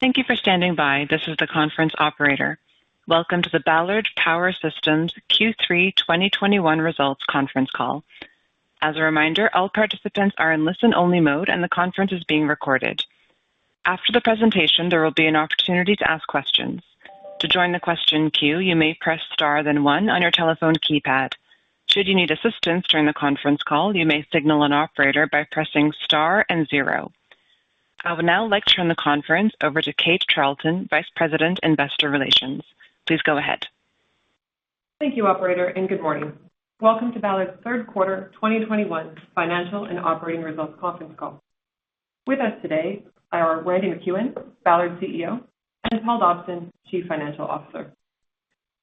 Thank you for standing by. This is the conference operator. Welcome to the Ballard Power Systems Q3 2021 results conference call. As a reminder, all participants are in listen-only mode, and the conference is being recorded. After the presentation, there will be an opportunity to ask questions. To join the question queue, you may press star then one on your telephone keypad. Should you need assistance during the conference call, you may signal an operator by pressing star and zero. I would now like to turn the conference over to Kate Charlton, Vice President, Investor Relations. Please go ahead. Thank you operator, and good morning. Welcome to Ballard's third quarter 2021 financial and operating results conference call. With us today are Randy MacEwen, Ballard CEO, and Paul Dobson, Chief Financial Officer.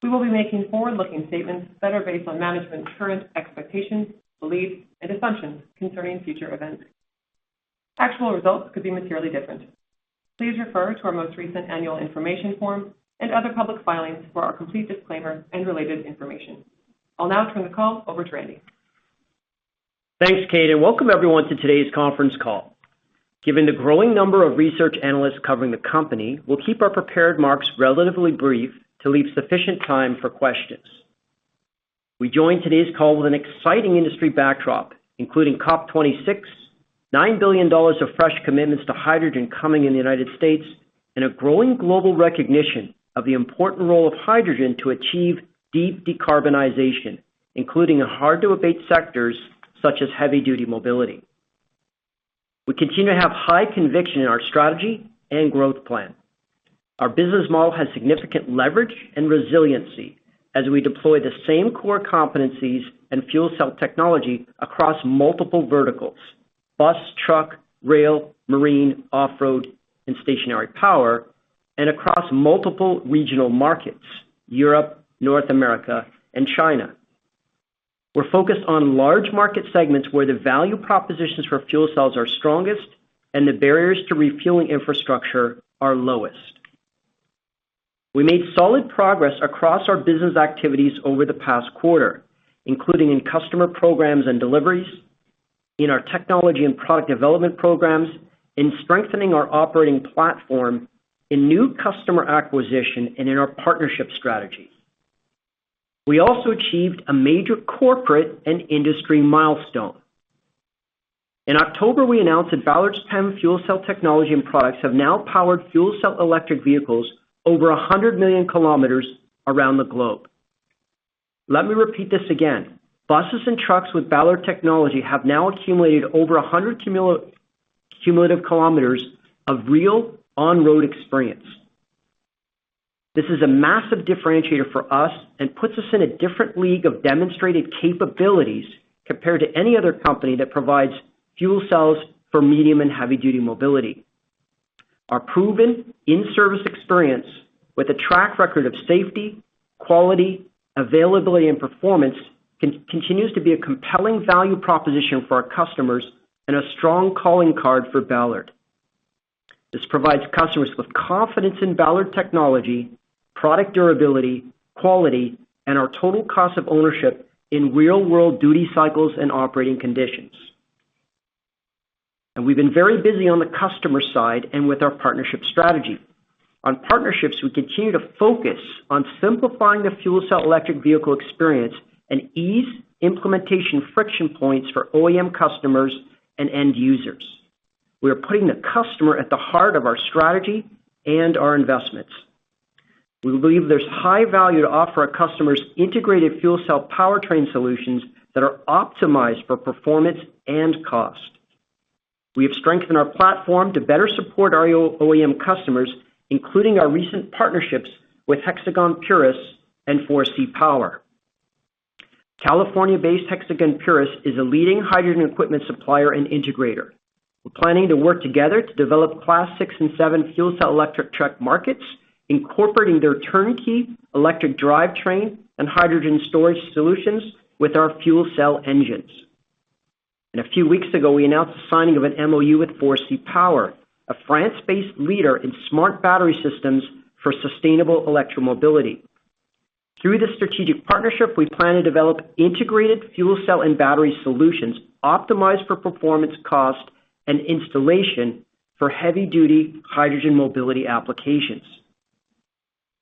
We will be making forward-looking statements that are based on management's current expectations, beliefs, and assumptions concerning future events. Actual results could be materially different. Please refer to our most recent annual information form and other public filings for our complete disclaimer and related information. I'll now turn the call over to Randy. Thanks, Kate, and welcome everyone to today's conference call. Given the growing number of research analysts covering the company, we'll keep our prepared remarks relatively brief to leave sufficient time for questions. We join today's call with an exciting industry backdrop, including COP26, $9 billion of fresh commitments to hydrogen coming in the United States, and a growing global recognition of the important role of hydrogen to achieve deep decarbonization, including in hard to abate sectors such as heavy duty mobility. We continue to have high conviction in our strategy and growth plan. Our business model has significant leverage and resiliency as we deploy the same core competencies and fuel cell technology across multiple verticals, bus, truck, rail, marine, off-road, and stationary power, and across multiple regional markets, Europe, North America, and China. We're focused on large market segments where the value propositions for fuel cells are strongest and the barriers to refueling infrastructure are lowest. We made solid progress across our business activities over the past quarter, including in customer programs and deliveries, in our technology and product development programs, in strengthening our operating platform, in new customer acquisition, and in our partnership strategy. We also achieved a major corporate and industry milestone. In October, we announced that Ballard's PEM fuel cell technology and products have now powered fuel cell electric vehicles over 100 million kilometers around the globe. Let me repeat this again. Buses and trucks with Ballard technology have now accumulated over 100 million kilometers of real on-road experience. This is a massive differentiator for us and puts us in a different league of demonstrated capabilities compared to any other company that provides fuel cells for medium and heavy-duty mobility. Our proven in-service experience with a track record of safety, quality, availability, and performance continues to be a compelling value proposition for our customers and a strong calling card for Ballard. This provides customers with confidence in Ballard technology, product durability, quality, and our total cost of ownership in real-world duty cycles and operating conditions. We've been very busy on the customer side and with our partnership strategy. On partnerships, we continue to focus on simplifying the fuel cell electric vehicle experience and ease implementation friction points for OEM customers and end users. We are putting the customer at the heart of our strategy and our investments. We believe there's high value to offer our customers integrated fuel cell powertrain solutions that are optimized for performance and cost. We have strengthened our platform to better support our OEM customers, including our recent partnerships with Hexagon Purus and Forsee Power. California-based Hexagon Purus is a leading hydrogen equipment supplier and integrator. We're planning to work together to develop class six and seven fuel cell electric truck markets, incorporating their turnkey electric drivetrain and hydrogen storage solutions with our fuel cell engines. A few weeks ago, we announced the signing of an MOU with Forsee Power, a France-based leader in smart battery systems for sustainable electro-mobility. Through this strategic partnership, we plan to develop integrated fuel cell and battery solutions optimized for performance, cost, and installation for heavy-duty hydrogen mobility applications.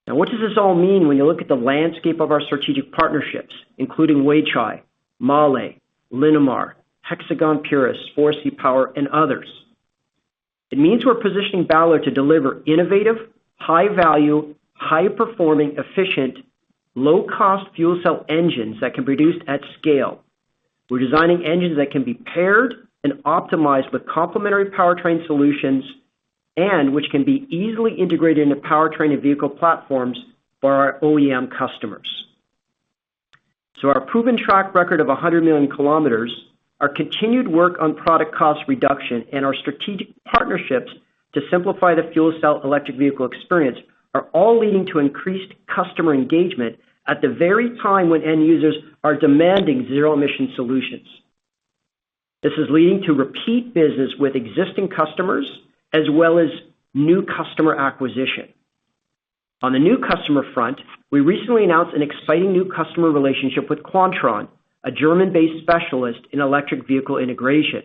Now, what does this all mean when you look at the landscape of our strategic partnerships, including Weichai, MAHLE, Linamar, Hexagon Purus, Forsee Power This is leading to repeat business with existing customers, as well as new customer acquisition. On the new customer front, we recently announced an exciting new customer relationship with Quantron, a German-based specialist in electric vehicle integration.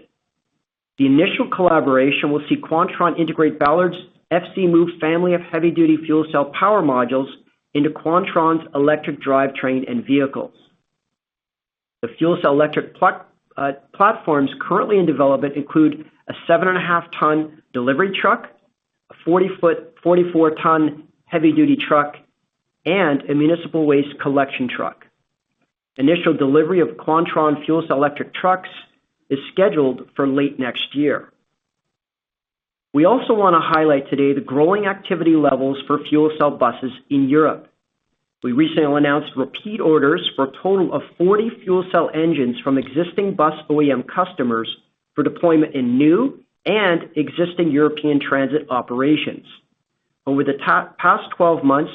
The initial collaboration will see Quantron integrate Ballard's FCmove family of heavy-duty fuel cell power modules into Quantron's electric drivetrain and vehicles. The fuel cell electric platforms currently in development include a 7.5-ton delivery truck, a 40-foot 44-ton heavy-duty truck, and a municipal waste collection truck. Initial delivery of Quantron fuel cell electric trucks is scheduled for late next year. We also wanna highlight today the growing activity levels for fuel cell buses in Europe. We recently announced repeat orders for a total of 40 fuel cell engines from existing bus OEM customers for deployment in new and existing European transit operations. Over the past 12 months,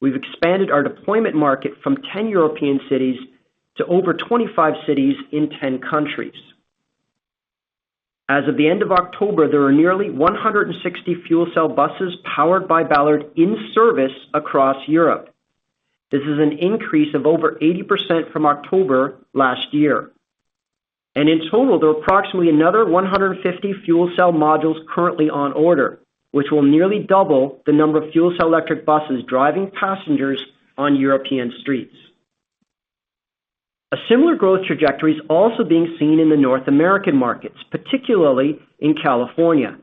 we've expanded our deployment market from 10 European cities to over 25 cities in 10 countries. As of the end of October, there were nearly 160 fuel cell buses powered by Ballard in service across Europe. This is an increase of over 80% from October last year. In total, there are approximately another 150 fuel cell modules currently on order, which will nearly double the number of fuel cell electric buses driving passengers on European streets. A similar growth trajectory is also being seen in the North American markets, particularly in California,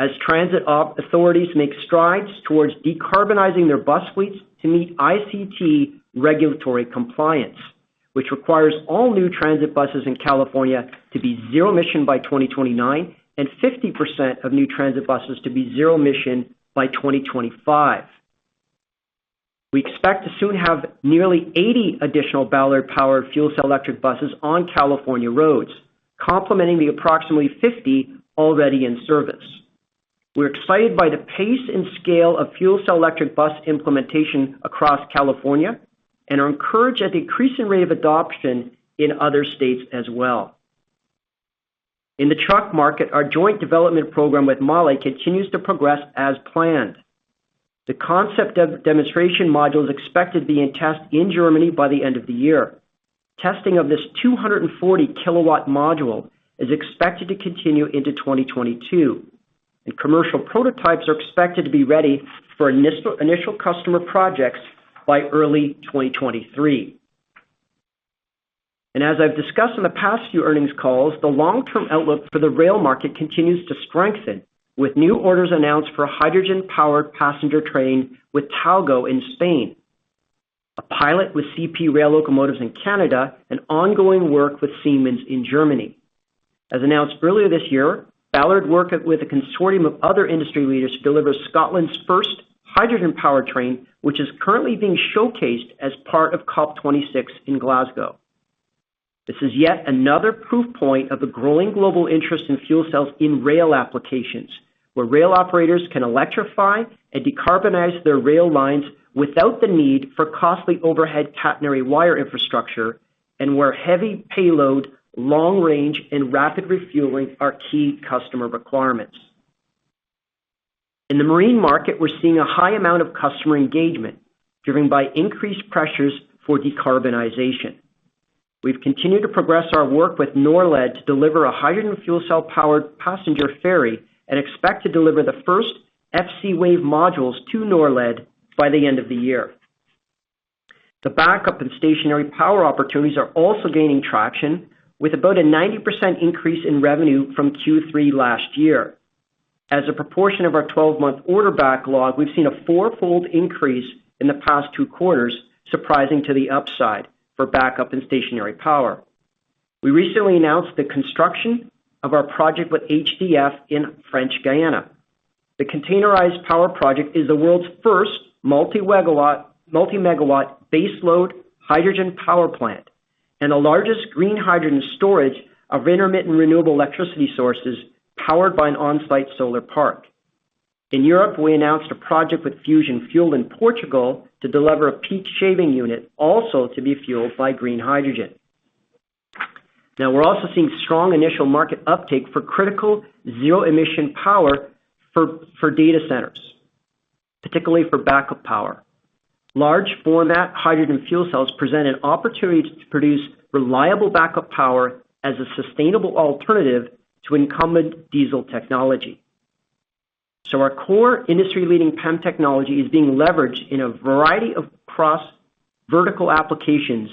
as transit authorities make strides towards decarbonizing their bus fleets to meet ICT regulatory compliance, which requires all new transit buses in California to be zero emission by 2029, and 50% of new transit buses to be zero emission by 2025. We expect to soon have nearly 80 additional Ballard-powered fuel cell electric buses on California roads, complementing the approximately 50 already in service. We're excited by the pace and scale of fuel cell electric bus implementation across California, and are encouraged at the increasing rate of adoption in other states as well. In the truck market, our joint development program with MAHLE continues to progress as planned. The concept demonstration module is expected to be in test in Germany by the end of the year. Testing of this 240 kilowatt module is expected to continue into 2022, and commercial prototypes are expected to be ready for initial customer projects by early 2023. As I've discussed in the past few earnings calls, the long-term outlook for the rail market continues to strengthen with new orders announced for a hydrogen-powered passenger train with Talgo in Spain, a pilot with CP Rail locomotives in Canada, and ongoing work with Siemens in Germany. As announced earlier this year, Ballard worked with a consortium of other industry leaders to deliver Scotland's first hydrogen power train, which is currently being showcased as part of COP26 in Glasgow. This is yet another proof point of the growing global interest in fuel cells in rail applications, where rail operators can electrify and decarbonize their rail lines without the need for costly overhead catenary wire infrastructure, and where heavy payload, long range, and rapid refueling are key customer requirements. In the marine market, we're seeing a high amount of customer engagement driven by increased pressures for decarbonization. We've continued to progress our work with Norled to deliver a hydrogen fuel cell-powered passenger ferry, and expect to deliver the first FCwave modules to Norled by the end of the year. The backup and stationary power opportunities are also gaining traction, with about a 90% increase in revenue from Q3 last year. As a proportion of our 12-month order backlog, we've seen a fourfold increase in the past 2 quarters, surprising to the upside for backup and stationary power. We recently announced the construction of our project with HDF in French Guiana. The containerized power project is the world's first multi-megawatt base load hydrogen power plant, and the largest green hydrogen storage of intermittent renewable electricity sources powered by an on-site solar park. In Europe, we announced a project with Fusion Fuel in Portugal to deliver a peak shaving unit also to be fueled by green hydrogen. Now, we're also seeing strong initial market uptake for critical zero-emission power for data centers, particularly for backup power. Large format hydrogen fuel cells present an opportunity to produce reliable backup power as a sustainable alternative to incumbent diesel technology. Our core industry-leading PEM technology is being leveraged in a variety of cross-vertical applications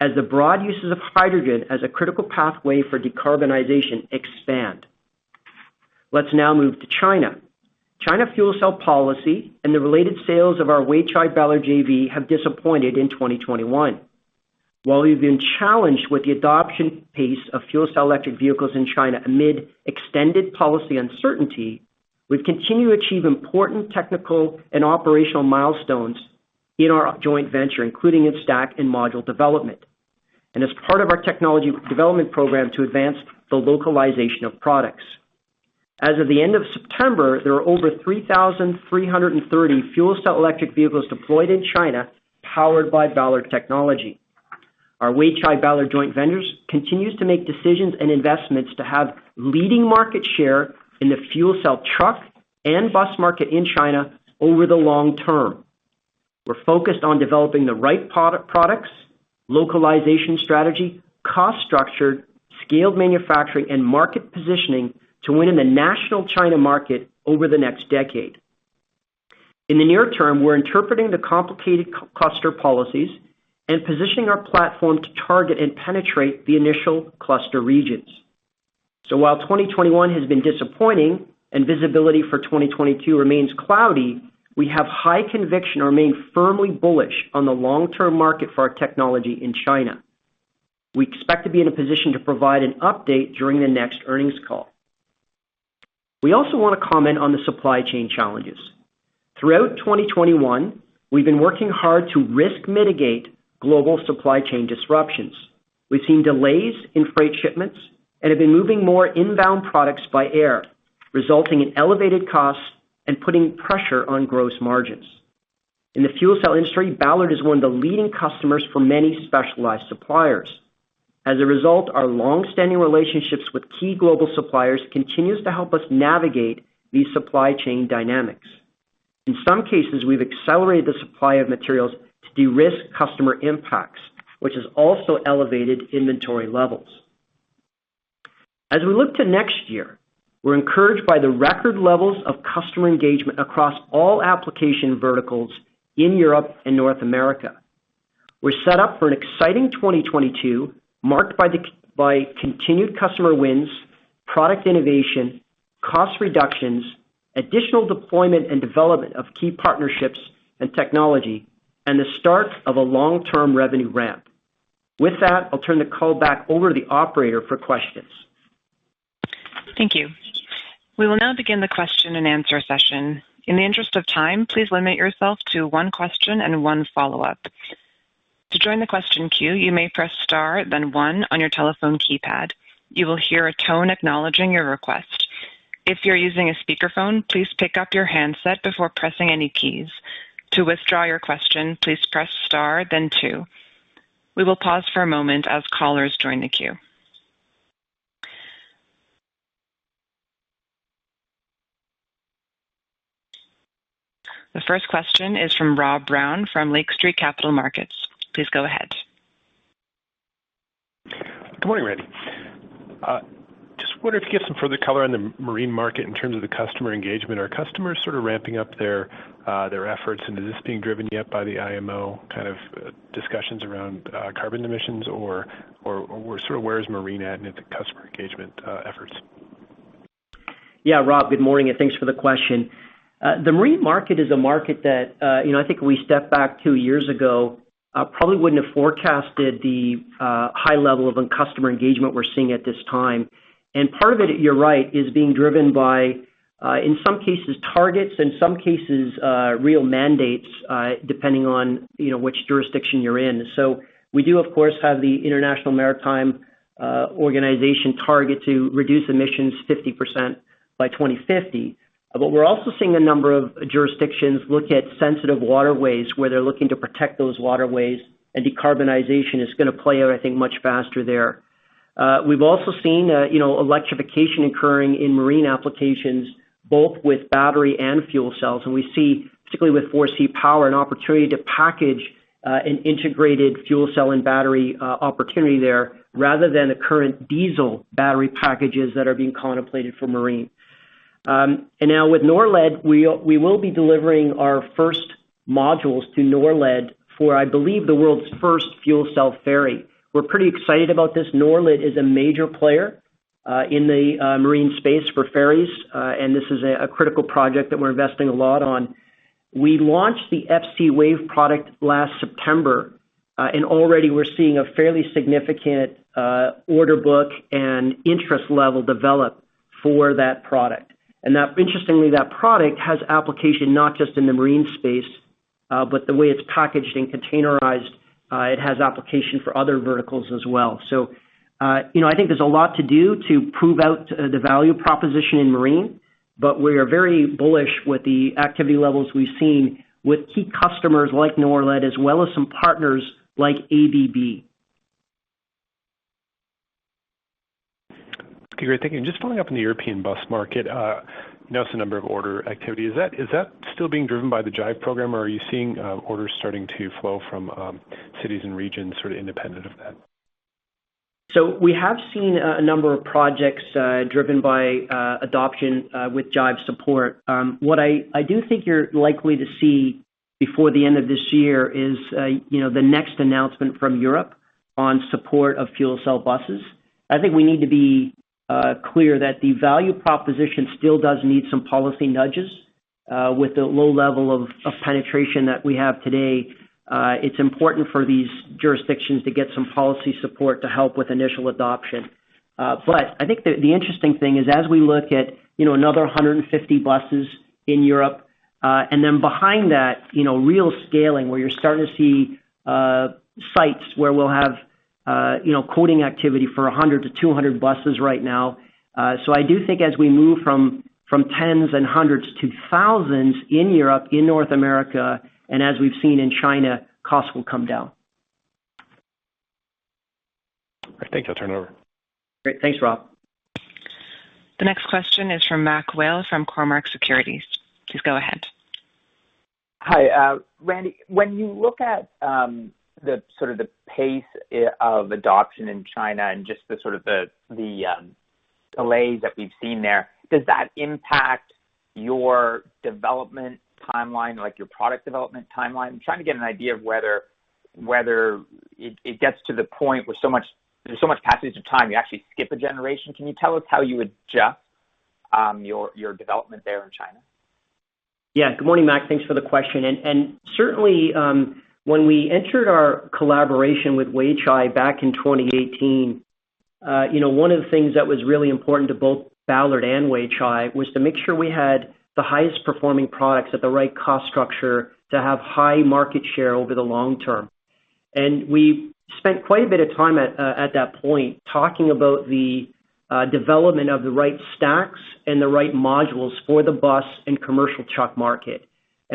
as the broad uses of hydrogen as a critical pathway for decarbonization expand. Let's now move to China. China fuel cell policy and the related sales of our Weichai Ballard JV have disappointed in 2021. While we've been challenged with the adoption pace of fuel cell electric vehicles in China amid extended policy uncertainty, we've continued to achieve important technical and operational milestones in our joint venture, including its stack and module development, and as part of our technology development program to advance the localization of products. As of the end of September, there were over 3,330 fuel cell electric vehicles deployed in China powered by Ballard technology. Our Weichai Ballard joint venture continues to make decisions and investments to have leading market share in the fuel cell truck and bus market in China over the long term. We're focused on developing the right product, products, localization strategy, cost structure, scaled manufacturing, and market positioning to win in the national China market over the next decade. In the near term, we're interpreting the complicated cluster policies and positioning our platform to target and penetrate the initial cluster regions. While 2021 has been disappointing and visibility for 2022 remains cloudy, we have high conviction and remain firmly bullish on the long-term market for our technology in China. We expect to be in a position to provide an update during the next earnings call. We also want to comment on the supply chain challenges. Throughout 2021, we've been working hard to risk mitigate global supply chain disruptions. We've seen delays in freight shipments and have been moving more inbound products by air, resulting in elevated costs and putting pressure on gross margins. In the fuel cell industry, Ballard is one of the leading customers for many specialized suppliers. As a result, our long-standing relationships with key global suppliers continues to help us navigate these supply chain dynamics. In some cases, we've accelerated the supply of materials to de-risk customer impacts, which has also elevated inventory levels. As we look to next year, we're encouraged by the record levels of customer engagement across all application verticals in Europe and North America. We're set up for an exciting 2022 marked by continued customer wins, product innovation, cost reductions, additional deployment and development of key partnerships and technology, and the start of a long-term revenue ramp. With that, I'll turn the call back over to the operator for questions. Thank you. We will now begin the question and answer session. In the interest of time, please limit yourself to one question and one follow-up. To join the question queue, you may press star then one on your telephone keypad. You will hear a tone acknowledging your request. If you're using a speakerphone, please pick up your handset before pressing any keys. To withdraw your question, please press star then two. We will pause for a moment as callers join the queue. The first question is from Rob Brown from Lake Street Capital Markets. Please go ahead. Good morning, Randy. Just wonder if you get some further color on the marine market in terms of the customer engagement. Are customers sort of ramping up their efforts, and is this being driven yet by the IMO kind of discussions around carbon emissions or sort of where is marine at in the customer engagement efforts? Yeah, Rob, good morning, and thanks for the question. The marine market is a market that, you know, I think if we step back two years ago, probably wouldn't have forecasted the high level of customer engagement we're seeing at this time. Part of it, you're right, is being driven by, in some cases, targets, in some cases, real mandates, depending on, you know, which jurisdiction you're in. We do, of course, have the International Maritime Organization target to reduce emissions 50% by 2050. We're also seeing a number of jurisdictions look at sensitive waterways where they're looking to protect those waterways, and decarbonization is gonna play out, I think, much faster there. We've also seen, you know, electrification occurring in marine applications, both with battery and fuel cells. We see, particularly with Forsee Power, an opportunity to package an integrated fuel cell and battery opportunity there rather than the current diesel battery packages that are being contemplated for marine. Now with Norled, we will be delivering our first modules to Norled for, I believe, the world's first fuel cell ferry. We're pretty excited about this. Norled is a major player in the marine space for ferries, and this is a critical project that we're investing a lot on. We launched the FCwave product last September, and already we're seeing a fairly significant order book and interest level develop for that product. That, interestingly, that product has application not just in the marine space, but the way it's packaged and containerized, it has application for other verticals as well. You know, I think there's a lot to do to prove out the value proposition in marine, but we are very bullish with the activity levels we've seen with key customers like Norled, as well as some partners like ABB. Okay. Great. Thank you. Just following up on the European bus market and on the number of order activity. Is that still being driven by the JIVE program, or are you seeing orders starting to flow from cities and regions sort of independent of that? We have seen a number of projects driven by adoption with JIVE support. What I do think you're likely to see before the end of this year is, you know, the next announcement from Europe on support of fuel cell buses. I think we need to be clear that the value proposition still does need some policy nudges with the low level of penetration that we have today. It's important for these jurisdictions to get some policy support to help with initial adoption. I think the interesting thing is as we look at, you know, another 150 buses in Europe, and then behind that, you know, real scaling where you're starting to see sites where we'll have, you know, quoting activity for 100-200 buses right now. I do think as we move from tens and hundreds to thousands in Europe, in North America, and as we've seen in China, costs will come down. I think I'll turn it over. Great. Thanks, Rob. The next question is from MacMurray Whale from Cormark Securities. Please go ahead. Hi, Randy, when you look at the sort of pace of adoption in China and just the sort of delays that we've seen there, does that impact your development timeline, like your product development timeline? I'm trying to get an idea of whether it gets to the point where there's so much passage of time, you actually skip a generation. Can you tell us how you adjust your development there in China? Yeah. Good morning, Mac. Thanks for the question. Certainly, when we entered our collaboration with Weichai back in 2018, you know, one of the things that was really important to both Ballard and Weichai was to make sure we had the highest performing products at the right cost structure to have high market share over the long term. We spent quite a bit of time at that point talking about the development of the right stacks and the right modules for the bus and commercial truck market.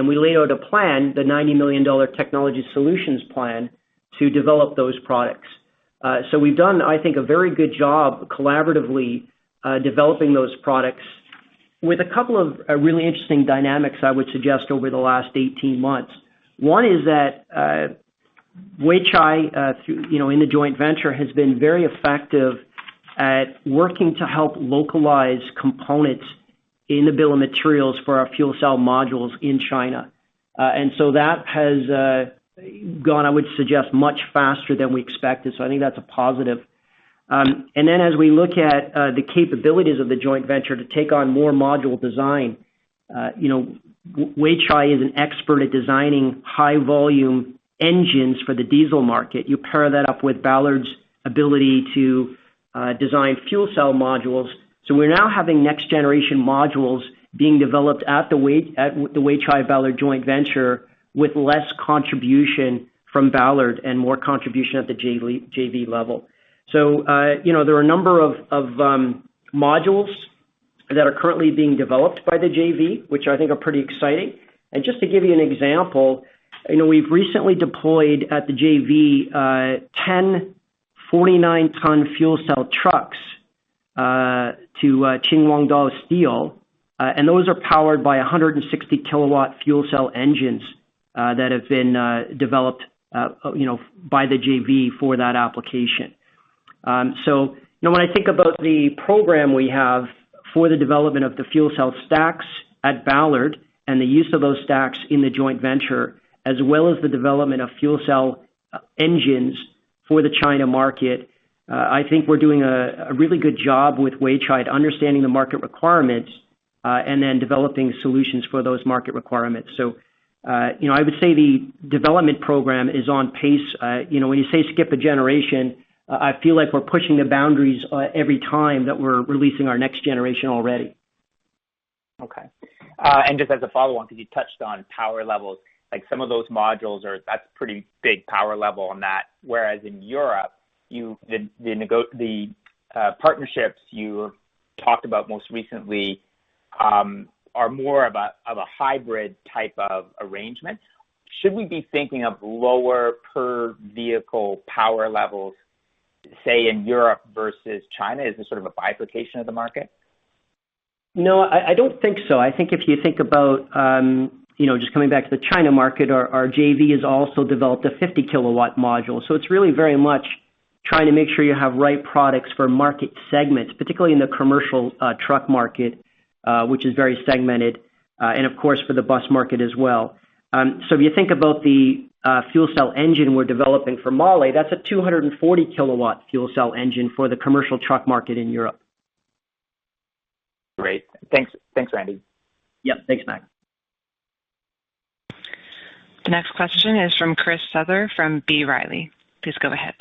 We laid out a plan, the $90 million technology solutions plan to develop those products. We've done, I think, a very good job collaboratively developing those products with a couple of really interesting dynamics I would suggest over the last 18 months. One is that Weichai, through you know in the joint venture, has been very effective at working to help localize components in the bill of materials for our fuel cell modules in China. That has gone, I would suggest, much faster than we expected. I think that's a positive. As we look at the capabilities of the joint venture to take on more module design, you know, Weichai is an expert at designing high volume engines for the diesel market. You pair that up with Ballard's ability to design fuel cell modules. We're now having next generation modules being developed at the Weichai-Ballard joint venture with less contribution from Ballard and more contribution at the JV level. you know, there are a number of modules that are currently being developed by the JV, which I think are pretty exciting. Just to give you an example, you know, we've recently deployed at the JV 10 49-ton fuel cell trucks to Qinhuangdao Guoyang Steel, and those are powered by 160-kilowatt fuel cell engines that have been developed, you know, by the JV for that application. You know, when I think about the program we have for the development of the fuel cell stacks at Ballard and the use of those stacks in the joint venture, as well as the development of fuel cell engines for the China market, I think we're doing a really good job with Weichai at understanding the market requirements and then developing solutions for those market requirements. You know, I would say the development program is on pace. You know, when you say skip a generation, I feel like we're pushing the boundaries every time that we're releasing our next generation already. Okay. Just as a follow on, because you touched on power levels, like some of those modules are—that's pretty big power level on that, whereas in Europe, you—the partnerships you talked about most recently are more of a hybrid type of arrangement. Should we be thinking of lower per vehicle power levels, say in Europe versus China? Is this sort of a bifurcation of the market? No, I don't think so. I think if you think about, you know, just coming back to the China market, our JV has also developed a 50 kW module. It's really very much trying to make sure you have right products for market segments, particularly in the commercial truck market, which is very segmented, and of course, for the bus market as well. If you think about the fuel cell engine we're developing for MAHLE, that's a 240 kW fuel cell engine for the commercial truck market in Europe. Great. Thanks, Randy. Yeah. Thanks, Mac. The next question is from Christopher Souther from B. Riley. Please go ahead.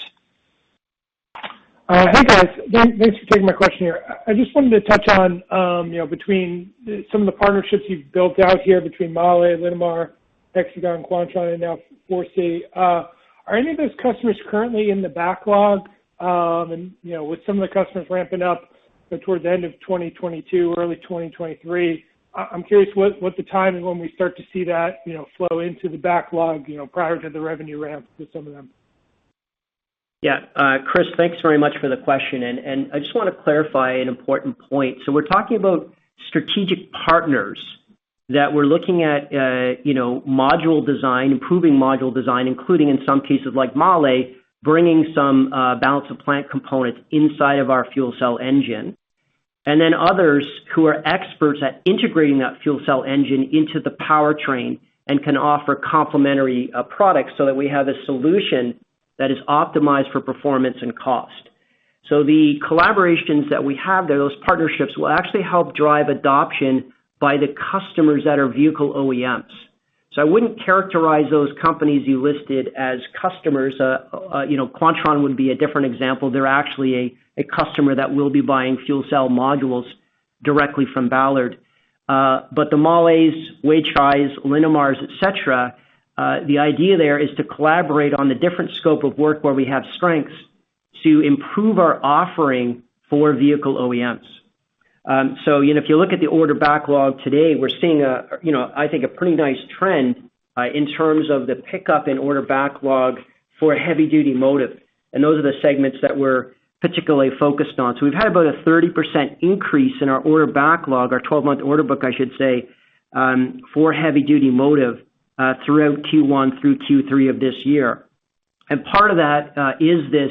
Hi, guys. Thanks for taking my question here. I just wanted to touch on, you know, between some of the partnerships you've built out here between MAHLE, Linamar, Hexagon Purus, Quantron, and now Forsee Power. Are any of those customers currently in the backlog, and, you know, with some of the customers ramping up towards the end of 2022 or early 2023, I'm curious what the timing when we start to see that, you know, flow into the backlog, you know, prior to the revenue ramp with some of them. Yeah. Chris, thanks very much for the question. I just wanna clarify an important point. We're talking about strategic partners that we're looking at, you know, module design, improving module design, including in some cases like MAHLE, bringing some balance of plant components inside of our fuel cell engine. Others who are experts at integrating that fuel cell engine into the powertrain and can offer complementary products so that we have a solution that is optimized for performance and cost. The collaborations that we have there, those partnerships will actually help drive adoption by the customers that are vehicle OEMs. I wouldn't characterize those companies you listed as customers. You know, Quantron would be a different example. They're actually a customer that will be buying fuel cell modules directly from Ballard. The MAHLE, Weichai, Linamar, et cetera, the idea there is to collaborate on the different scope of work where we have strengths to improve our offering for vehicle OEMs. You know, if you look at the order backlog today, we're seeing a, you know, I think a pretty nice trend in terms of the pickup in order backlog for heavy duty motive. Those are the segments that we're particularly focused on. We've had about a 30% increase in our order backlog, our twelve-month order book, I should say, for heavy duty motive throughout Q1 through Q3 of this year. Part of that is this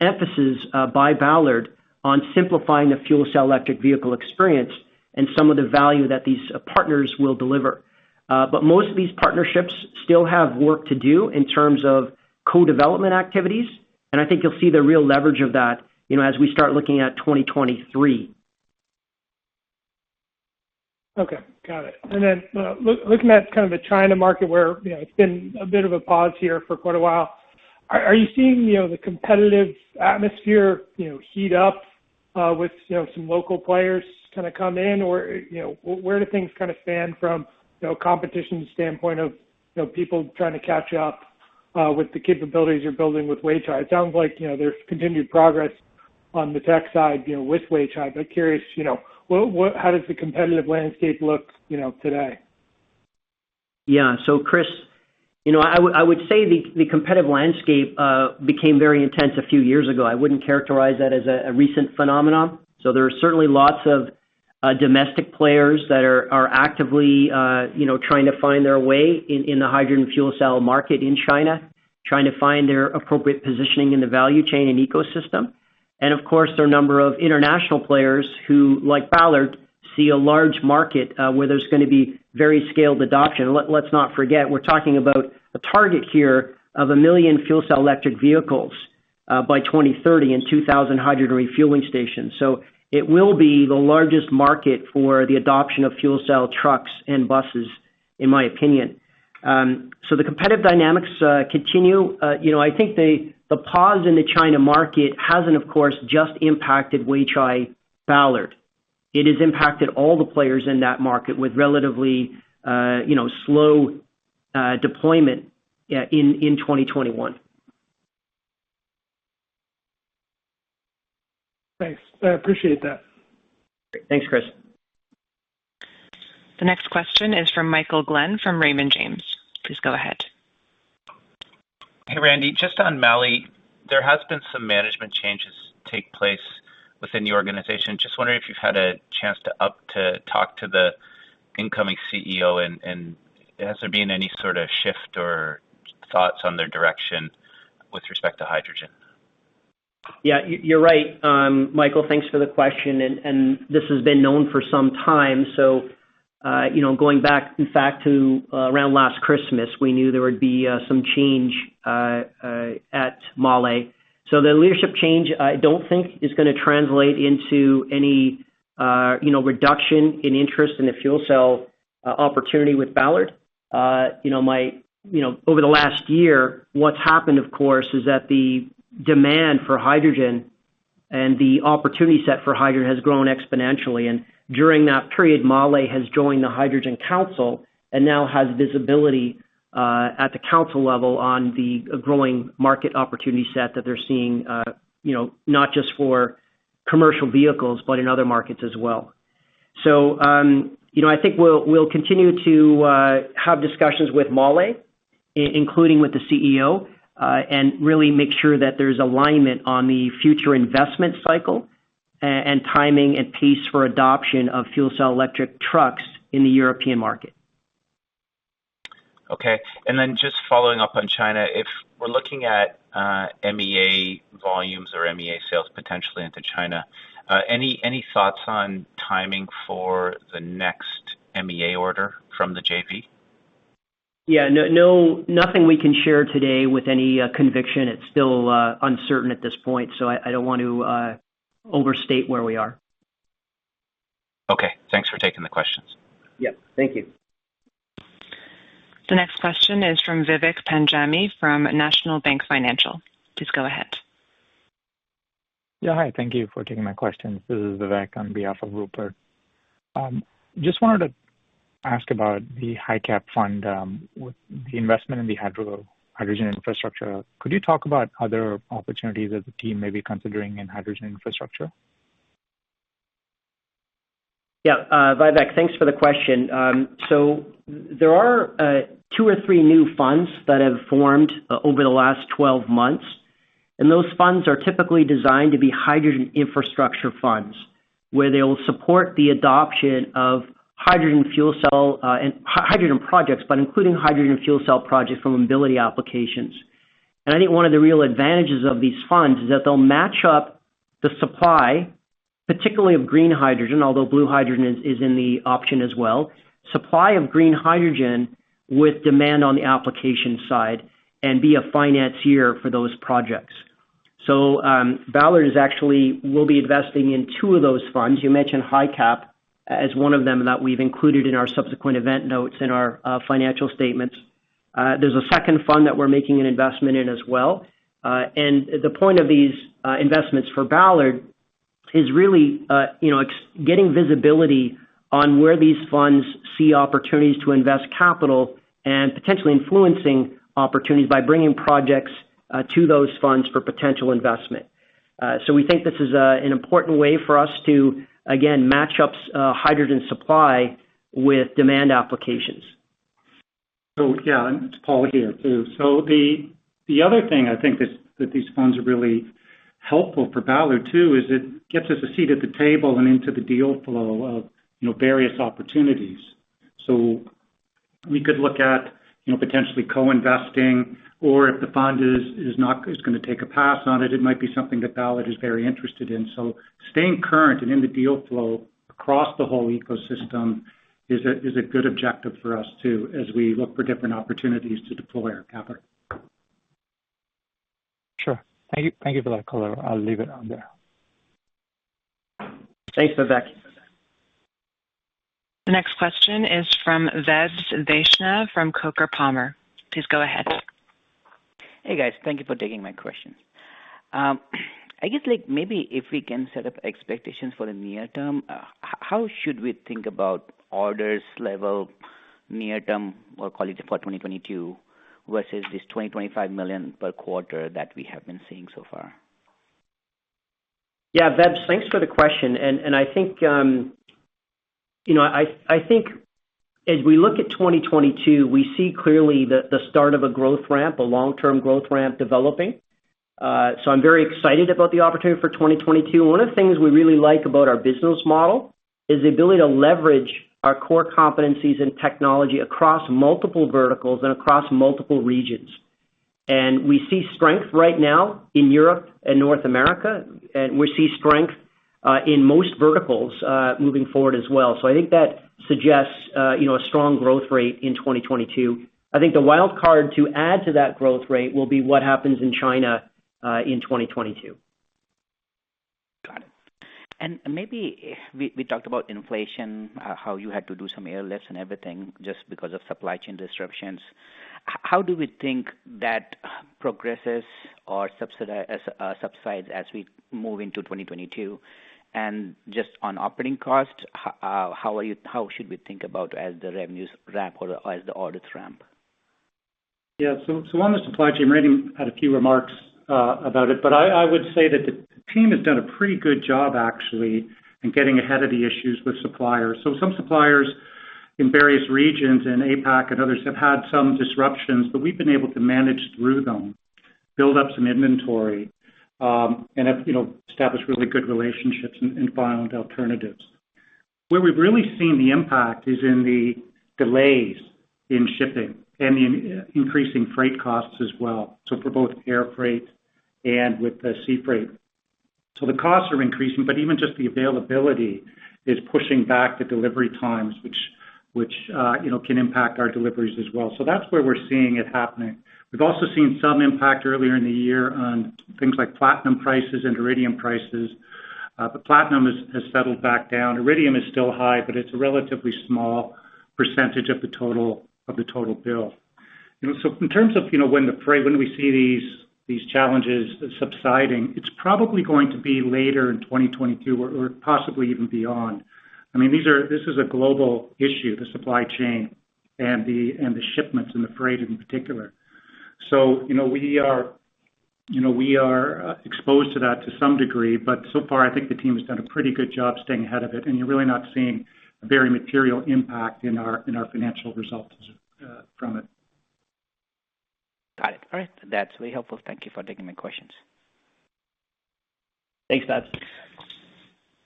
emphasis by Ballard on simplifying the fuel cell electric vehicle experience and some of the value that these partners will deliver. Most of these partnerships still have work to do in terms of co-development activities, and I think you'll see the real leverage of that, you know, as we start looking at 2023. Okay, got it. Looking at kind of the China market where, you know, it's been a bit of a pause here for quite a while, are you seeing, you know, the competitive atmosphere, you know, heat up with, you know, some local players kind of come in? Or, you know, where do things kind of stand from, you know, competition standpoint of, you know, people trying to catch up with the capabilities you're building with Weichai? It sounds like, you know, there's continued progress on the tech side, you know, with Weichai, but I'm curious, you know, what how does the competitive landscape look, you know, today? Yeah. Chris, you know, I would say the competitive landscape became very intense a few years ago. I wouldn't characterize that as a recent phenomenon. There are certainly lots of domestic players that are actively you know, trying to find their way in the hydrogen fuel cell market in China, trying to find their appropriate positioning in the value chain and ecosystem. Of course, there are a number of international players who, like Ballard, see a large market where there's gonna be very scaled adoption. Let's not forget, we're talking about a target here of 1 million fuel cell electric vehicles by 2030 and 2,000 hydrogen refueling stations. It will be the largest market for the adoption of fuel cell trucks and buses in my opinion. The competitive dynamics continue. You know, I think the pause in the China market hasn't of course just impacted Weichai Ballard. It has impacted all the players in that market with relatively, you know, slow deployment in 2021. Thanks. I appreciate that. Great. Thanks, Chris. The next question is from Michael Glen from Raymond James. Please go ahead. Hey, Randy. Just on MAHLE, there has been some management changes take place within the organization. Just wondering if you've had a chance to talk to the incoming CEO, and has there been any sort of shift or thoughts on their direction with respect to hydrogen? Yeah. You're right. Michael, thanks for the question and this has been known for some time. You know, going back in fact to around last Christmas, we knew there would be some change at MAHLE. The leadership change, I don't think is gonna translate into any you know, reduction in interest in the fuel cell opportunity with Ballard. You know, over the last year, what's happened, of course, is that the demand for hydrogen and the opportunity set for hydrogen has grown exponentially. During that period, MAHLE has joined the Hydrogen Council and now has visibility at the council level on the growing market opportunity set that they're seeing you know, not just for commercial vehicles, but in other markets as well. You know, I think we'll continue to have discussions with MAHLE, including with the CEO, and really make sure that there's alignment on the future investment cycle, and timing and pace for adoption of fuel cell electric trucks in the European market. Okay. Just following up on China, if we're looking at MEA volumes or MEA sales potentially into China, any thoughts on timing for the next MEA order from the JV? Yeah. No, nothing we can share today with any conviction. It's still uncertain at this point, so I don't want to overstate where we are. Okay. Thanks for taking the questions. Yeah. Thank you. The next question is from Vivek Panjabi from National Bank Financial. Please go ahead. Yeah. Hi, thank you for taking my questions. This is Vivek on behalf of Rupert. Just wanted to ask about the HYCAP, the investment in the hydrogen infrastructure. Could you talk about other opportunities that the team may be considering in hydrogen infrastructure? Yeah. Vivek, thanks for the question. There are two or three new funds that have formed over the last 12 months, and those funds are typically designed to be hydrogen infrastructure funds, where they'll support the adoption of hydrogen fuel cell and hydrogen projects, but including hydrogen fuel cell projects for mobility applications. I think one of the real advantages of these funds is that they'll match up the supply, particularly of green hydrogen, although blue hydrogen is an option as well, supply of green hydrogen with demand on the application side and be a financier for those projects. Ballard actually will be investing in two of those funds. You mentioned HYCAP as one of them that we've included in our subsequent event notes in our financial statements. There's a second fund that we're making an investment in as well. The point of these investments for Ballard is really, you know, getting visibility on where these funds see opportunities to invest capital and potentially influencing opportunities by bringing projects to those funds for potential investment. We think this is an important way for us to again match up hydrogen supply with demand applications. Yeah, it's Paul Dobson here. The other thing I think is that these funds are really helpful for Ballard too, is it gets us a seat at the table and into the deal flow of, you know, various opportunities. We could look at, you know, potentially co-investing or if the fund is gonna take a pass on it might be something that Ballard is very interested in. Staying current and in the deal flow across the whole ecosystem is a good objective for us too, as we look for different opportunities to deploy our capital. Sure. Thank you. Thank you for that color. I'll leave it on there. Thanks, Vivek. The next question is from Vaibhav Vaishnav from Coker & Palmer. Please go ahead. Hey, guys. Thank you for taking my question. I guess, like, maybe if we can set up expectations for the near term, how should we think about orders level near term or call it for 2022 versus this $20 million-$25 million per quarter that we have been seeing so far? Yeah, Vaib, thanks for the question. I think you know as we look at 2022, we see clearly the start of a growth ramp, a long-term growth ramp developing. I'm very excited about the opportunity for 2022. One of the things we really like about our business model is the ability to leverage our core competencies and technology across multiple verticals and across multiple regions. We see strength right now in Europe and North America, and we see strength in most verticals moving forward as well. I think that suggests you know a strong growth rate in 2022. I think the wild card to add to that growth rate will be what happens in China in 2022. Got it. Maybe we talked about inflation, how you had to do some airlifts and everything just because of supply chain disruptions. How do we think that progresses or subsides as we move into 2022? Just on operating costs, how should we think about as the revenues ramp or as the orders ramp? Yeah. On the supply chain, Randy had a few remarks about it. I would say that the team has done a pretty good job actually in getting ahead of the issues with suppliers. Some suppliers in various regions, in APAC and others, have had some disruptions, but we've been able to manage through them, build up some inventory, and have you know established really good relationships and found alternatives. Where we've really seen the impact is in the delays in shipping and in increasing freight costs as well, so for both air freight and with the sea freight. The costs are increasing, but even just the availability is pushing back the delivery times, which you know can impact our deliveries as well. That's where we're seeing it happening. We've also seen some impact earlier in the year on things like platinum prices and iridium prices. But platinum has settled back down. Iridium is still high, but it's a relatively small percentage of the total bill. You know, so in terms of, you know, when we see these challenges subsiding, it's probably going to be later in 2022 or possibly even beyond. I mean, this is a global issue, the supply chain and the shipments and the freight in particular. So, you know, we are, you know, exposed to that to some degree, but so far I think the team has done a pretty good job staying ahead of it. You're really not seeing a very material impact in our financial results from it. Got it. All right. That's really helpful. Thank you for taking my questions. Thanks, Vaib.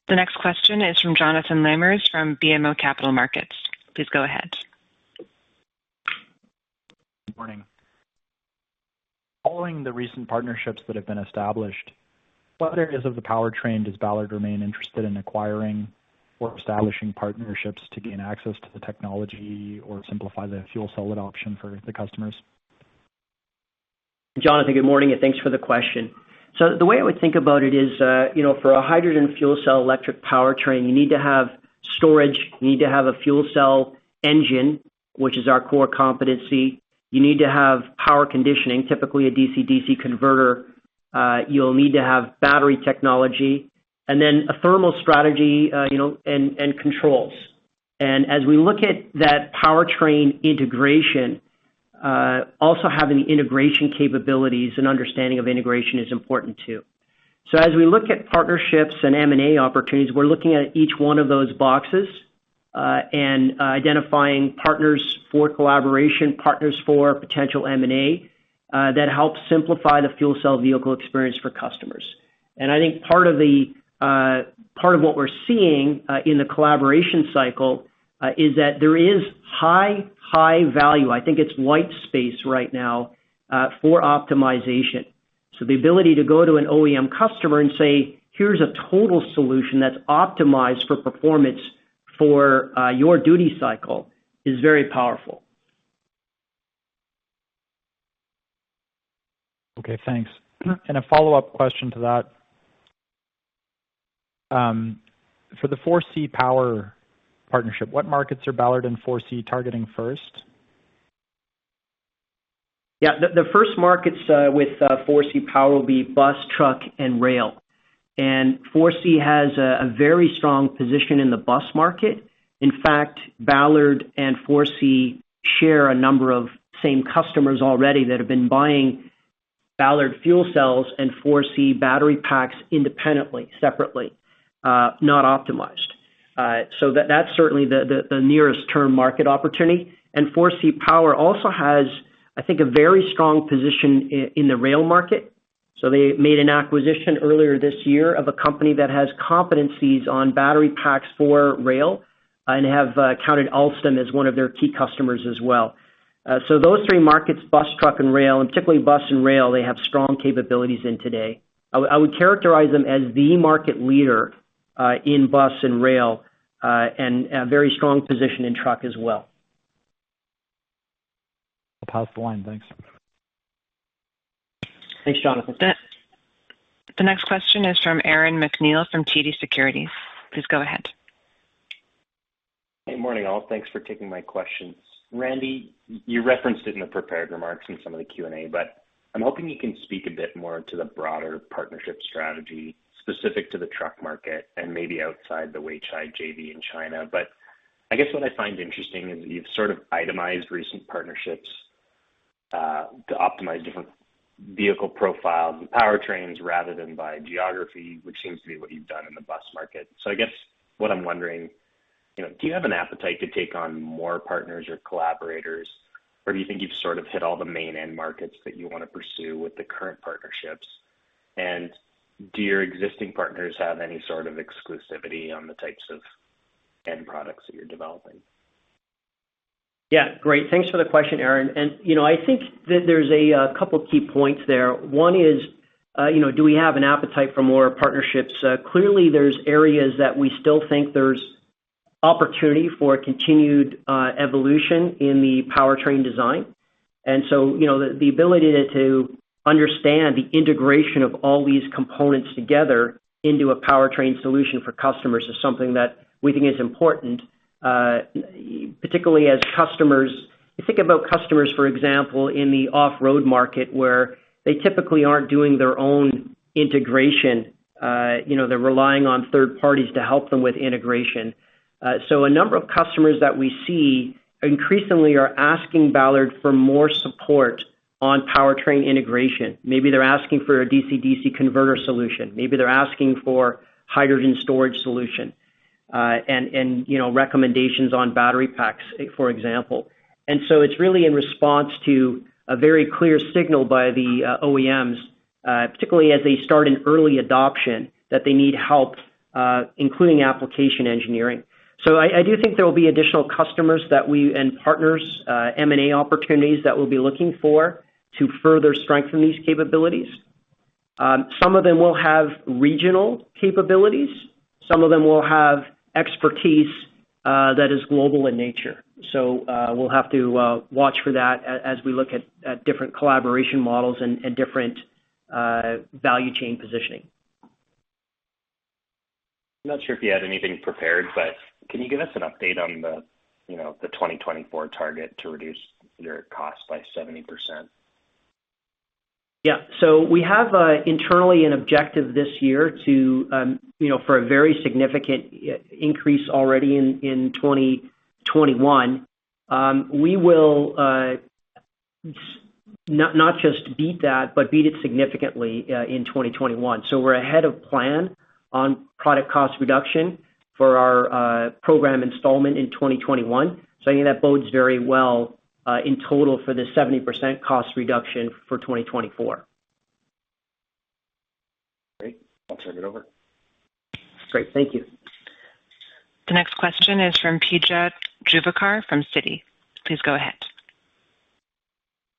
The next question is from Jonathan Lamers from BMO Capital Markets. Please go ahead. Good morning. Following the recent partnerships that have been established, what areas of the powertrain does Ballard remain interested in acquiring or establishing partnerships to gain access to the technology or simplify the fuel cell adoption for the customers? Jonathan, good morning, and thanks for the question. The way I would think about it is, you know, for a hydrogen fuel cell electric powertrain, you need to have storage, you need to have a fuel cell engine, which is our core competency. You need to have power conditioning, typically a DC-DC converter. You'll need to have battery technology and then a thermal strategy, you know, and controls. As we look at that powertrain integration, also having the integration capabilities and understanding of integration is important too. As we look at partnerships and M&A opportunities, we're looking at each one of those boxes, and identifying partners for collaboration, partners for potential M&A, that helps simplify the fuel cell vehicle experience for customers. I think part of what we're seeing in the collaboration cycle is that there is high value. I think it's white space right now for optimization. The ability to go to an OEM customer and say, "Here's a total solution that's optimized for performance for your duty cycle," is very powerful. Okay, thanks. A follow-up question to that. For the Forsee Power partnership, what markets are Ballard and Forsee targeting first? Yeah. The first markets with Forsee Power will be bus, truck, and rail. Forsee Power has a very strong position in the bus market. In fact, Ballard and Forsee Power share a number of same customers already that have been buying Ballard fuel cells and Forsee Power battery packs independently, separately, not optimized. That's certainly the nearest term market opportunity. Forsee Power also has, I think, a very strong position in the rail market. They made an acquisition earlier this year of a company that has competencies on battery packs for rail and have counted Alstom as one of their key customers as well. Those three markets, bus, truck, and rail, and particularly bus and rail, they have strong capabilities in today. I would characterize them as the market leader in bus and rail and a very strong position in truck as well. I'll pass the line. Thanks. Thanks, Jonathan. The next question is from Aaron MacNeil from TD Securities. Please go ahead. Good morning, all. Thanks for taking my questions. Randy, you referenced it in the prepared remarks in some of the Q&A, but I'm hoping you can speak a bit more to the broader partnership strategy specific to the truck market and maybe outside the Weichai JV in China. I guess what I find interesting is you've sort of itemized recent partnerships to optimize different vehicle profiles and powertrains rather than by geography, which seems to be what you've done in the bus market. I guess what I'm wondering, you know, do you have an appetite to take on more partners or collaborators, or do you think you've sort of hit all the main end markets that you wanna pursue with the current partnerships? Do your existing partners have any sort of exclusivity on the types of end products that you're developing? Yeah. Great. Thanks for the question, Aaron. You know, I think that there's a couple key points there. One is, you know, do we have an appetite for more partnerships? Clearly, there's areas that we still think there's opportunity for continued evolution in the powertrain design. You know, the ability to understand the integration of all these components together into a powertrain solution for customers is something that we think is important, particularly as customers. If you think about customers, for example, in the off-road market where they typically aren't doing their own integration, you know, they're relying on third parties to help them with integration. So a number of customers that we see increasingly are asking Ballard for more support on powertrain integration. Maybe they're asking for a DC-DC converter solution. Maybe they're asking for hydrogen storage solution, and you know, recommendations on battery packs, for example. It's really in response to a very clear signal by the OEMs, particularly as they start an early adoption, that they need help, including application engineering. I do think there will be additional customers that we and partners, M&A opportunities that we'll be looking for to further strengthen these capabilities. Some of them will have regional capabilities, some of them will have expertise that is global in nature. We'll have to watch for that as we look at different collaboration models and different value chain positioning. I'm not sure if you had anything prepared, but can you give us an update on the, you know, the 2024 target to reduce your cost by 70%? We have internally an objective this year to you know for a very significant increase already in 2021. We will not just beat that, but beat it significantly in 2021. We're ahead of plan on product cost reduction for our program installment in 2021. I think that bodes very well in total for the 70% cost reduction for 2024. Great. I'll turn it over. Great. Thank you. The next question is from P.J. Juvekar from Citi. Please go ahead.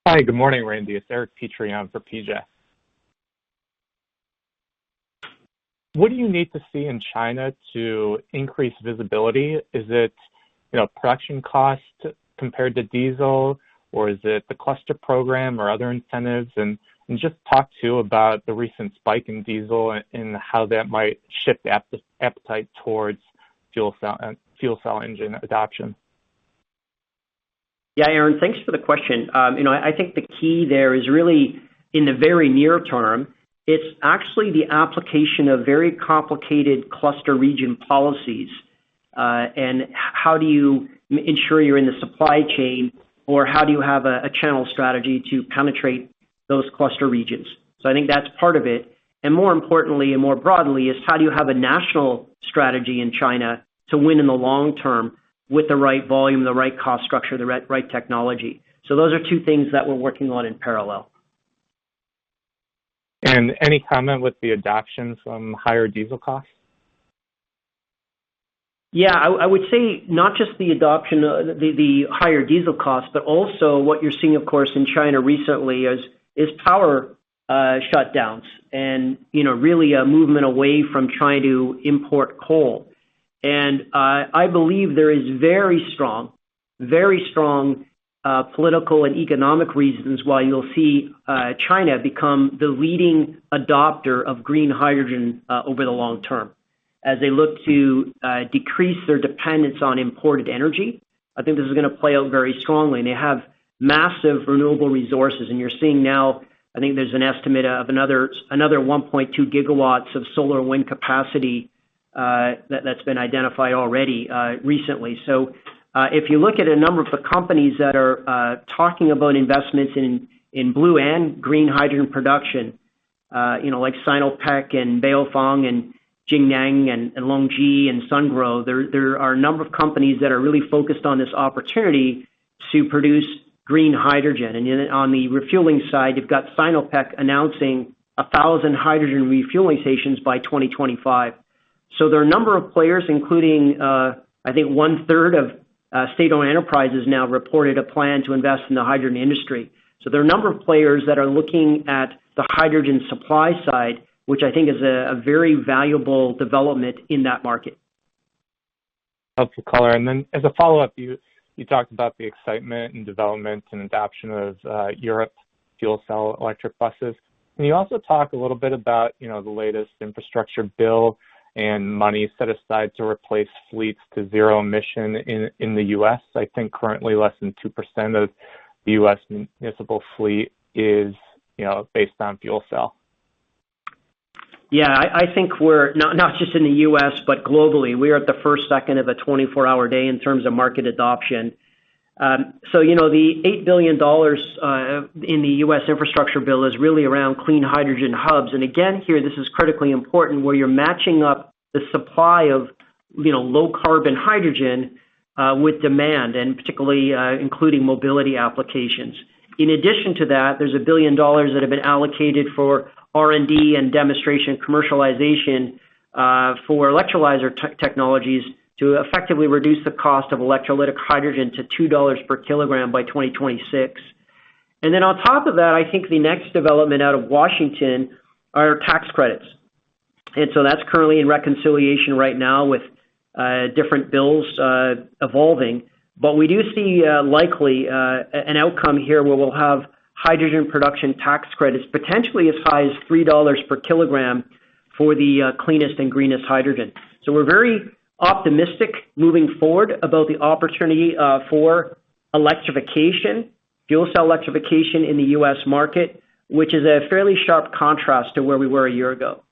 Hi, good morning, Randy. It's Eric Petrie for P.J.. What do you need to see in China to increase visibility? Is it, you know, production cost compared to diesel, or is it the cluster program or other incentives? Just talk to about the recent spike in diesel and how that might shift appetite towards fuel cell engine adoption. Yeah, Aaron, thanks for the question. You know, I think the key there is really in the very near term, it's actually the application of very complicated cluster region policies, and how do you ensure you're in the supply chain or how do you have a channel strategy to penetrate those cluster regions? I think that's part of it. More importantly, and more broadly, is how do you have a national strategy in China to win in the long term with the right volume, the right cost structure, the right technology? Those are two things that we're working on in parallel. Any comment with the adoption from higher diesel costs? Yeah. I would say not just the adoption, the higher diesel cost, but also what you're seeing, of course, in China recently is power shutdowns and, you know, really a movement away from trying to import coal. I believe there is very strong political and economic reasons why you'll see China become the leading adopter of green hydrogen over the long term as they look to decrease their dependence on imported energy. I think this is gonna play out very strongly, and they have massive renewable resources. You're seeing now, I think there's an estimate of another 1.2 gigawatts of solar and wind capacity that's been identified already recently. If you look at a number of the companies that are talking about investments in blue and green hydrogen production, you know, like Sinopec and Baofeng and Jingneng and LONGi and Sungrow, there are a number of companies that are really focused on this opportunity to produce green hydrogen. On the refueling side, you've got Sinopec announcing 1,000 hydrogen refueling stations by 2025. There are a number of players, including, I think one-third of state-owned enterprises now reported a plan to invest in the hydrogen industry. There are a number of players that are looking at the hydrogen supply side, which I think is a very valuable development in that market. Helpful color. Then as a follow-up, you talked about the excitement and development and adoption of European fuel cell electric buses. Can you also talk a little bit about, you know, the latest infrastructure bill and money set aside to replace fleets to zero-emission in the U.S.? I think currently less than 2% of the U.S. municipal fleet is, you know, based on fuel cell. I think we're not just in the U.S., but globally, we are at the first second of a 24-hour day in terms of market adoption. The $8 billion in the U.S. infrastructure bill is really around clean hydrogen hubs. Again here, this is critically important where you're matching up the supply of low carbon hydrogen with demand, and particularly including mobility applications. In addition to that, there's $1 billion that have been allocated for R&D and demonstration commercialization for electrolyzer technologies to effectively reduce the cost of electrolytic hydrogen to $2 per kilogram by 2026. Then on top of that, I think the next development out of Washington are tax credits. That's currently in reconciliation right now with different bills evolving. We do see likely an outcome here where we'll have hydrogen production tax credits, potentially as high as $3 per kilogram for the cleanest and greenest hydrogen. We're very optimistic moving forward about the opportunity for electrification, fuel cell electrification in the U.S. market, which is a fairly sharp contrast to where we were a year ago.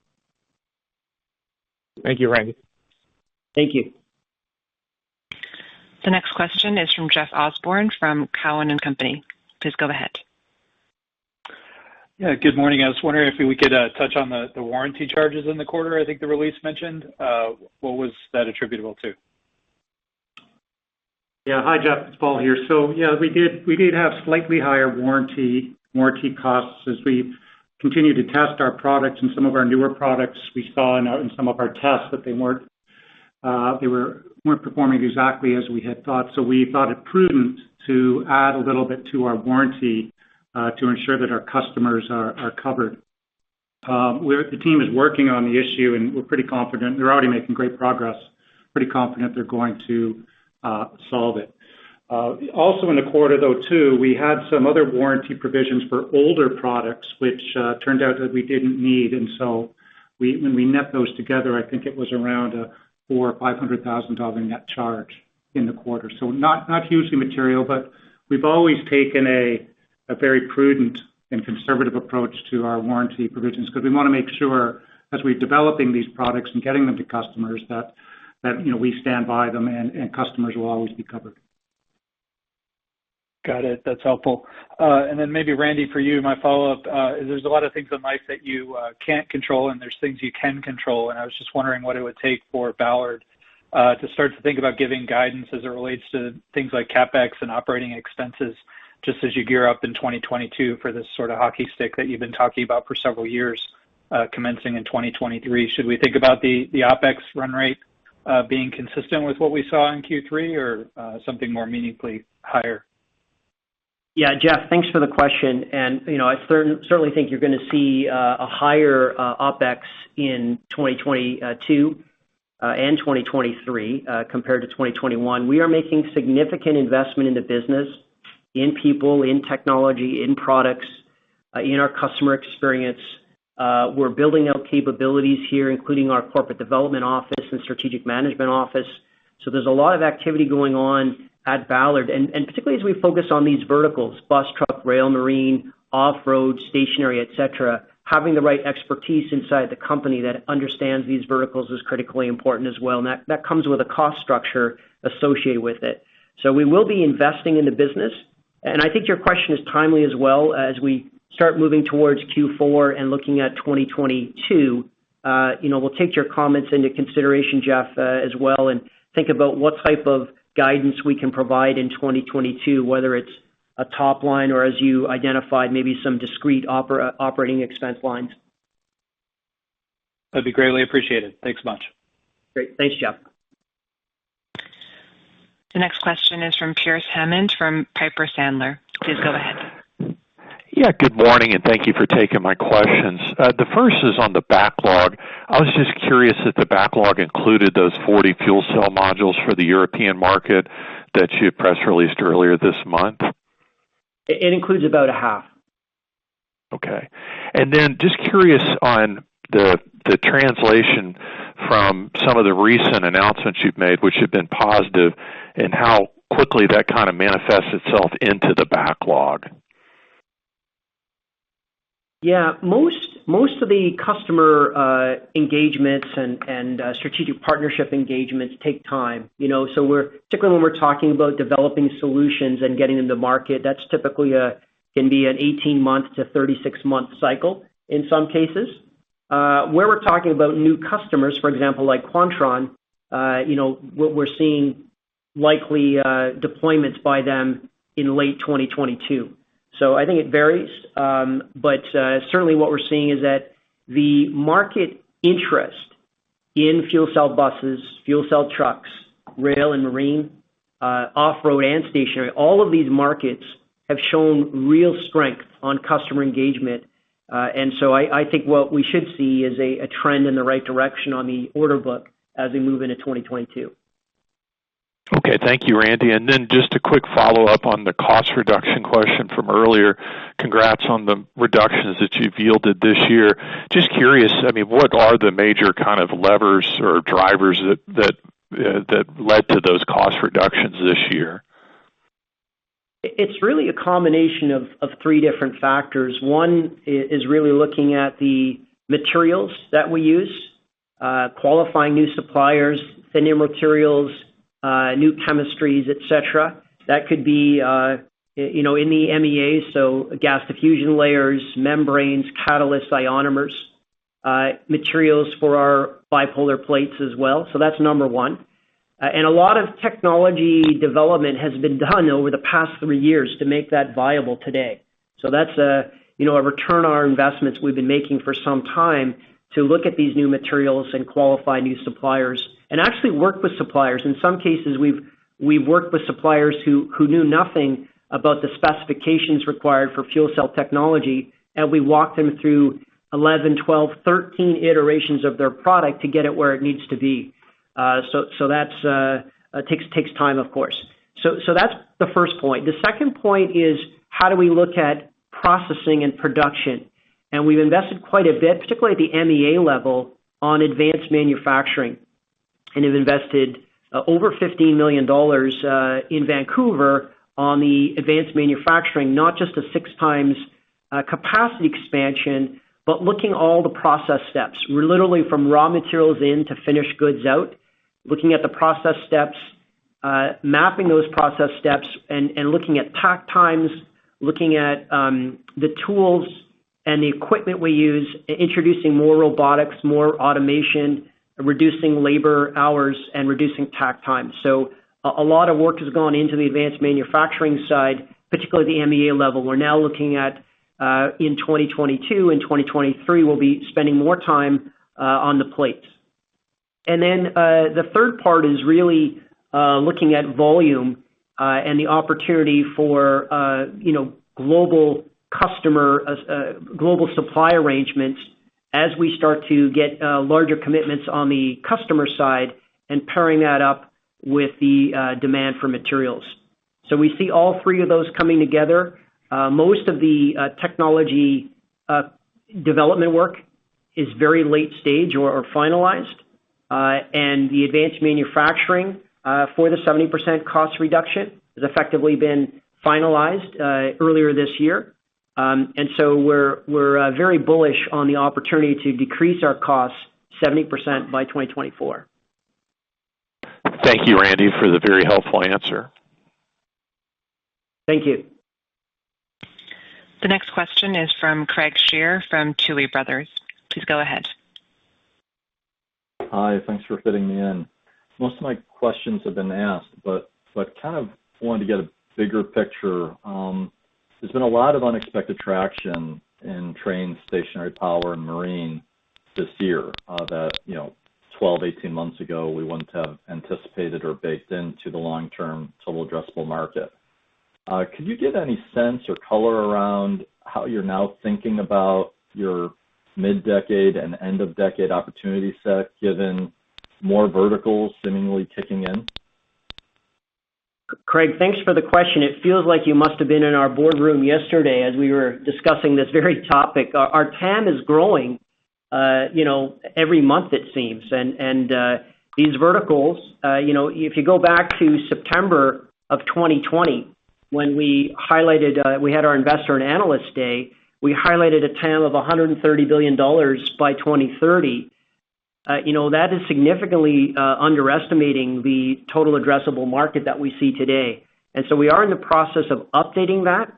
Thank you, Randy. Thank you. The next question is from Jeff Osborne from Cowen and Company. Please go ahead. Yeah, good morning. I was wondering if we could touch on the warranty charges in the quarter. I think the release mentioned what was that attributable to? Yeah. Hi, Jeff, it's Paul here. Yeah, we did have slightly higher warranty costs as we continue to test our products and some of our newer products we saw in some of our tests that they weren't performing exactly as we had thought. We thought it prudent to add a little bit to our warranty to ensure that our customers are covered. The team is working on the issue, and we're pretty confident. They're already making great progress. Pretty confident they're going to solve it. Also in the quarter though, too, we had some other warranty provisions for older products, which turned out that we didn't need. When we net those together, I think it was around a $400,000-$500,000 net charge in the quarter. Not hugely material, but we've always taken a very prudent and conservative approach to our warranty provisions because we wanna make sure as we're developing these products and getting them to customers that you know, we stand by them and customers will always be covered. Got it. That's helpful. Then maybe Randy, for you, my follow-up, there's a lot of things in life that you can't control and there's things you can control. I was just wondering what it would take for Ballard to start to think about giving guidance as it relates to things like CapEx and operating expenses, just as you gear up in 2022 for this sort of hockey stick that you've been talking about for several years, commencing in 2023. Should we think about the OpEx run rate being consistent with what we saw in Q3 or something more meaningfully higher? Yeah. Jeff, thanks for the question. You know, I certainly think you're gonna see a higher OpEx in 2022 and 2023 compared to 2021. We are making significant investment in the business, in people, in technology, in products, in our customer experience. We're building out capabilities here, including our corporate development office and strategic management office. There's a lot of activity going on at Ballard. Particularly as we focus on these verticals, bus, truck, rail, marine, off-road, stationary, et cetera, having the right expertise inside the company that understands these verticals is critically important as well, and that comes with a cost structure associated with it. We will be investing in the business. I think your question is timely as well as we start moving towards Q4 and looking at 2022. You know, we'll take your comments into consideration, Jeff, as well, and think about what type of guidance we can provide in 2022, whether it's a top line or as you identified, maybe some discrete operating expense lines. That'd be greatly appreciated. Thanks much. Great. Thanks, Jeff. The next question is from Pearce Hammond from Piper Sandler. Please go ahead. Yeah, good morning, and thank you for taking my questions. The first is on the backlog. I was just curious if the backlog included those 40 fuel cell modules for the European market that you had press released earlier this month. It includes about a half. Just curious on the translation from some of the recent announcements you've made, which have been positive, and how quickly that kind of manifests itself into the backlog? Yeah, most of the customer engagements and strategic partnership engagements take time, you know, so we're particularly when we're talking about developing solutions and getting into market, that's typically can be an 18-month to 36-month cycle in some cases. Where we're talking about new customers, for example, like Quantron, you know, what we're seeing likely deployments by them in late 2022. I think it varies. Certainly what we're seeing is that the market interest in fuel cell buses, fuel cell trucks, rail and marine, off-road and stationary, all of these markets have shown real strength on customer engagement. I think what we should see is a trend in the right direction on the order book as we move into 2022. Okay, thank you, Randy. Just a quick follow-up on the cost reduction question from earlier. Congrats on the reductions that you've yielded this year. Just curious, I mean, what are the major kind of levers or drivers that led to those cost reductions this year? It's really a combination of three different factors. One is really looking at the materials that we use, qualifying new suppliers, thinner materials, new chemistries, et cetera. That could be, you know, in the MEA, so gas diffusion layers, membranes, catalysts, ionomers, materials for our bipolar plates as well. So that's number one. A lot of technology development has been done over the past three years to make that viable today. That's a, you know, return on our investments we've been making for some time to look at these new materials and qualify new suppliers and actually work with suppliers. In some cases, we've worked with suppliers who knew nothing about the specifications required for fuel cell technology, and we walked them through 11, 12, 13 iterations of their product to get it where it needs to be. That takes time, of course. That's the first point. The second point is how do we look at processing and production? We've invested quite a bit, particularly at the MEA level, on advanced manufacturing, and have invested over $15 million in Vancouver on the advanced manufacturing, not just a six times capacity expansion, but looking at all the process steps. We're literally from raw materials in to finished goods out, looking at the process steps, mapping those process steps and looking at takt times, looking at the tools and the equipment we use, introducing more robotics, more automation, reducing labor hours and reducing takt time. A lot of work has gone into the advanced manufacturing side, particularly at the MEA level. We're now looking at, in 2022 and 2023, we'll be spending more time on the plates. Then, the third part is really looking at volume and the opportunity for, you know, global customer global supply arrangements as we start to get larger commitments on the customer side and pairing that up with the demand for materials. We see all three of those coming together. Most of the technology development work is very late stage or finalized, and the advanced manufacturing for the 70% cost reduction has effectively been finalized earlier this year. We're very bullish on the opportunity to decrease our costs 70% by 2024. Thank you, Randy, for the very helpful answer. Thank you. The next question is from Craig Shere from Tuohy Brothers. Please go ahead. Hi. Thanks for fitting me in. Most of my questions have been asked, but kind of wanted to get a bigger picture. There's been a lot of unexpected traction in train stationary power and marine this year, that you know, 12, 18 months ago, we wouldn't have anticipated or baked into the long-term total addressable market. Could you give any sense or color around how you're now thinking about your mid-decade and end-of-decade opportunity set, given more verticals seemingly kicking in? Craig, thanks for the question. It feels like you must have been in our boardroom yesterday as we were discussing this very topic. Our TAM is growing, you know, every month it seems. These verticals, you know, if you go back to September 2020 when we highlighted, we had our Investor and Analyst Day, we highlighted a TAM of $130 billion by 2030. You know, that is significantly underestimating the total addressable market that we see today. We are in the process of updating that.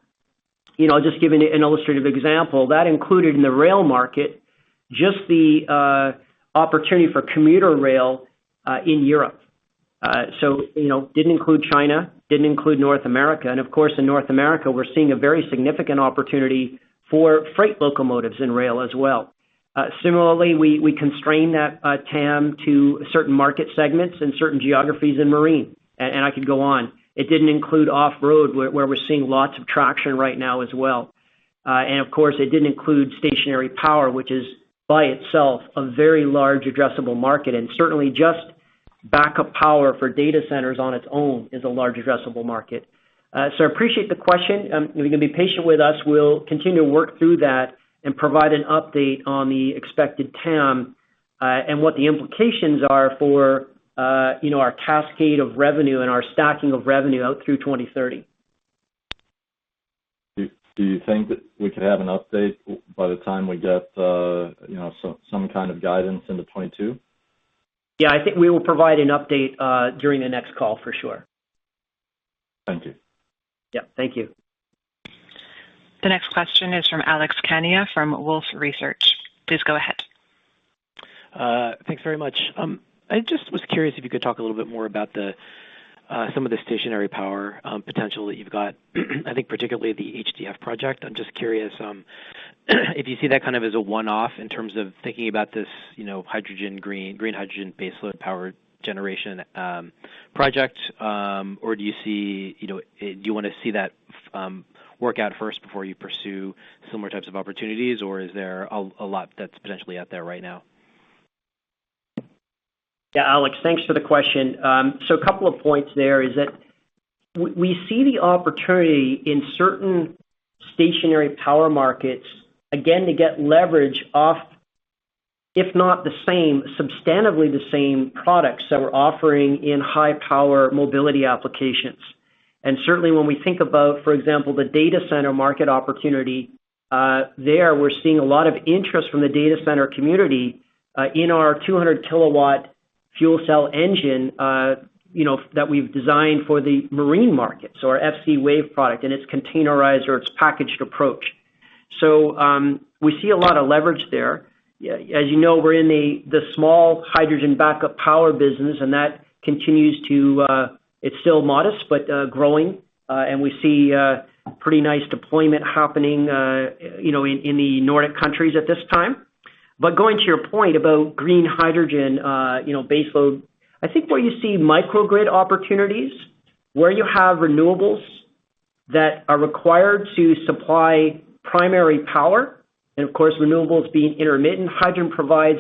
You know, just giving you an illustrative example, that included in the rail market just the opportunity for commuter rail in Europe. You know, it didn't include China, didn't include North America. Of course, in North America, we're seeing a very significant opportunity for freight locomotives and rail as well. Similarly, we constrained that TAM to certain market segments and certain geographies in marine, and I could go on. It didn't include off-road, where we're seeing lots of traction right now as well. Of course, it didn't include stationary power, which is by itself a very large addressable market, and certainly just backup power for data centers on its own is a large addressable market. I appreciate the question. If you can be patient with us, we'll continue to work through that and provide an update on the expected TAM, and what the implications are for, you know, our cascade of revenue and our stacking of revenue out through 2030. Do you think that we could have an update by the time we get, you know, some kind of guidance into 2022? Yeah, I think we will provide an update during the next call for sure. Thank you. Yep. Thank you. The next question is from Alex Kania from Wolfe Research. Please go ahead. Thanks very much. I just was curious if you could talk a little bit more about some of the stationary power potential that you've got, I think particularly the HDF project. I'm just curious if you see that kind of as a one-off in terms of thinking about this, you know, green hydrogen baseload power generation project, or do you see, you know, do you want to see that work out first before you pursue similar types of opportunities, or is there a lot that's potentially out there right now? Yeah, Alex, thanks for the question. A couple of points there is that we see the opportunity in certain stationary power markets, again, to get leverage off, if not the same, substantively the same products that we're offering in high power mobility applications. Certainly when we think about, for example, the data center market opportunity, there, we're seeing a lot of interest from the data center community in our 200-kilowatt fuel cell engine, you know, that we've designed for the marine markets or FCwave product, and it's containerized or it's packaged approach. We see a lot of leverage there. As you know, we're in the small hydrogen backup power business, and that continues. It's still modest, but growing, and we see pretty nice deployment happening, you know, in the Nordic countries at this time. Going to your point about green hydrogen, you know, baseload, I think where you see microgrid opportunities, where you have renewables that are required to supply primary power, and of course, renewables being intermittent, hydrogen provides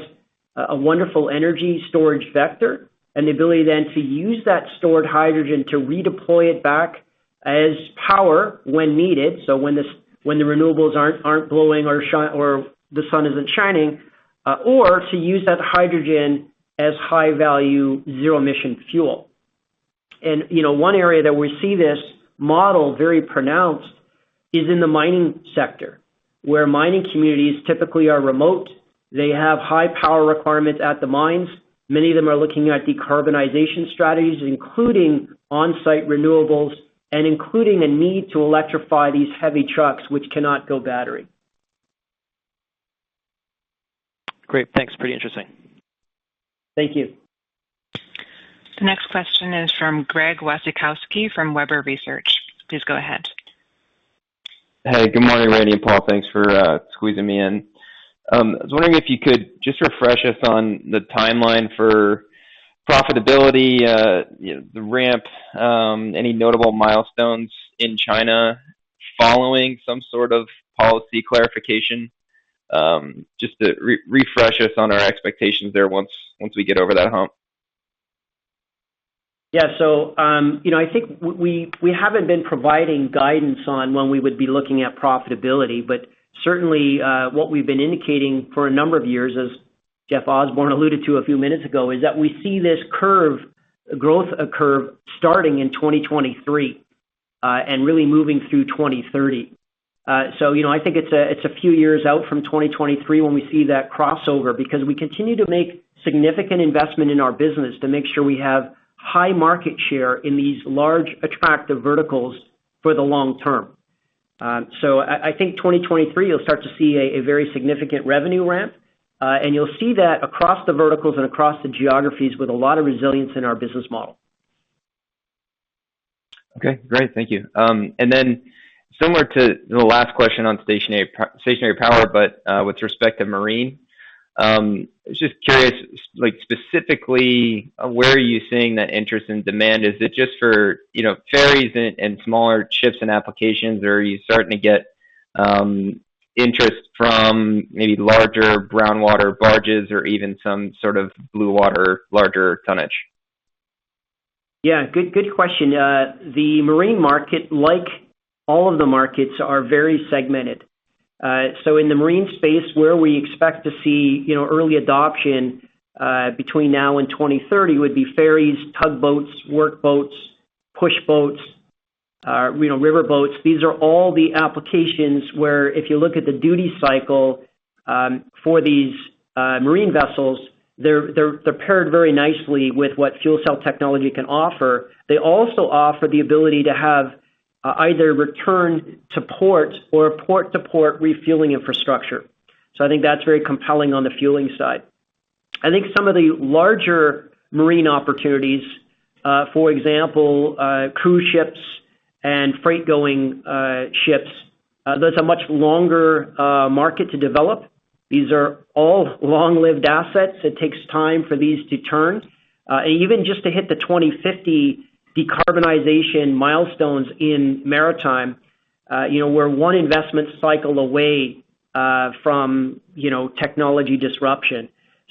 a wonderful energy storage vector and the ability then to use that stored hydrogen to redeploy it back as power when needed, so when the renewables aren't blowing or the sun isn't shining, or to use that hydrogen as high value zero emission fuel. You know, one area that we see this model very pronounced is in the mining sector, where mining communities typically are remote. They have high power requirements at the mines. Many of them are looking at decarbonization strategies, including on-site renewables, and including a need to electrify these heavy trucks, which cannot go battery. Great. Thanks. Pretty interesting. Thank you. The next question is from Greg Wasikowski from Webber Research. Please go ahead. Hey, good morning, Randy and Paul. Thanks for squeezing me in. I was wondering if you could just refresh us on the timeline for profitability, you know, the ramp, any notable milestones in China following some sort of policy clarification, just to refresh us on our expectations there once we get over that hump. Yeah, you know, I think we haven't been providing guidance on when we would be looking at profitability, but certainly what we've been indicating for a number of years, as Jeff Osborne alluded to a few minutes ago, is that we see this curve, growth curve starting in 2023 and really moving through 2030. You know, I think it's a few years out from 2023 when we see that crossover because we continue to make significant investment in our business to make sure we have high market share in these large, attractive verticals for the long term. I think 2023, you'll start to see a very significant revenue ramp, and you'll see that across the verticals and across the geographies with a lot of resilience in our business model. Okay, great. Thank you. Similar to the last question on stationary power, but with respect to marine, I was just curious, like, specifically, where are you seeing that interest and demand? Is it just for, you know, ferries and smaller ships and applications? Or are you starting to get interest from maybe larger brown water barges or even some sort of blue water larger tonnage? Yeah. Good question. The marine market, like all of the markets, is very segmented. In the marine space where we expect to see, you know, early adoption between now and 2030 would be ferries, tugboats, work boats, push boats, you know, riverboats. These are all the applications where if you look at the duty cycle for these marine vessels, they're paired very nicely with what fuel cell technology can offer. They also offer the ability to have either return to port or a port-to-port refueling infrastructure. I think that's very compelling on the fueling side. I think some of the larger marine opportunities, for example, cruise ships and freight-going ships, that's a much longer market to develop. These are all long-lived assets. It takes time for these to turn. Even just to hit the 2050 decarbonization milestones in maritime, you know, we're one investment cycle away from you know, technology disruption.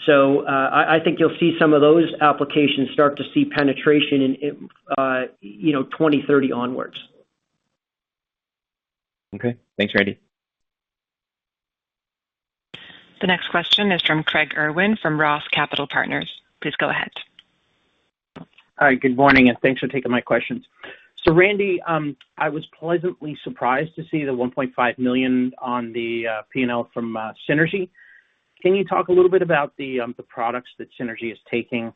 I think you'll see some of those applications start to see penetration in you know, 2030 onwards. Okay. Thanks, Randy. The next question is from Craig Irwin from ROTH Capital Partners. Please go ahead. All right. Good morning, and thanks for taking my questions. Randy, I was pleasantly surprised to see the $1.5 million on the P&L from Synergy. Can you talk a little bit about the products that Synergy is taking?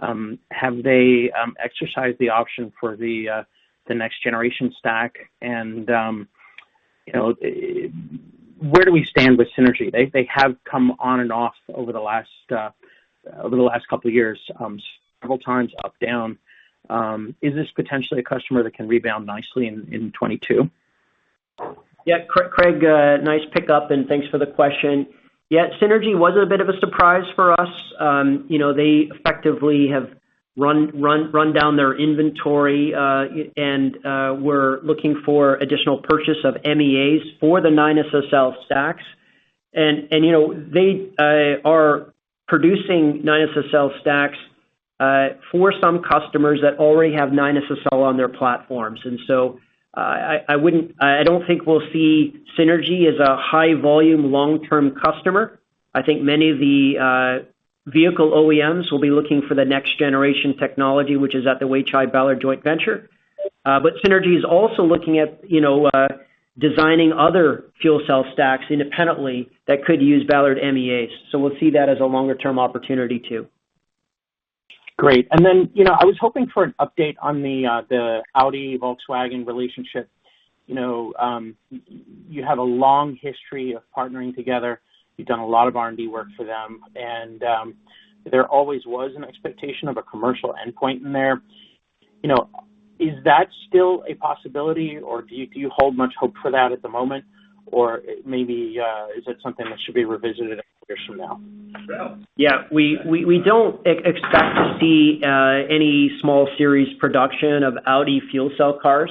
Have they exercised the option for the next generation stack? You know, where do we stand with Synergy? They have come on and off over the last couple of years several times up, down. Is this potentially a customer that can rebound nicely in 2022? Yeah. Craig, nice pickup, and thanks for the question. Yeah, Synergy was a bit of a surprise for us. You know, they effectively have run down their inventory, and we're looking for additional purchase of MEAs for the 9SSL stacks. You know, they are producing 9SSL stacks for some customers that already have 9SSL on their platforms. I wouldn't, I don't think we'll see Synergy as a high volume long-term customer. I think many of the vehicle OEMs will be looking for the next generation technology, which is at the Weichai Ballard joint venture. Synergy is also looking at, you know, designing other fuel cell stacks independently that could use Ballard MEAs. We'll see that as a longer-term opportunity too. Great. You know, I was hoping for an update on the Audi Volkswagen relationship. You know, you have a long history of partnering together. You've done a lot of R&D work for them, and there always was an expectation of a commercial endpoint in there. You know, is that still a possibility or do you hold much hope for that at the moment? Or maybe, is it something that should be revisited a couple years from now? Yeah. We don't expect to see any small series production of Audi fuel cell cars.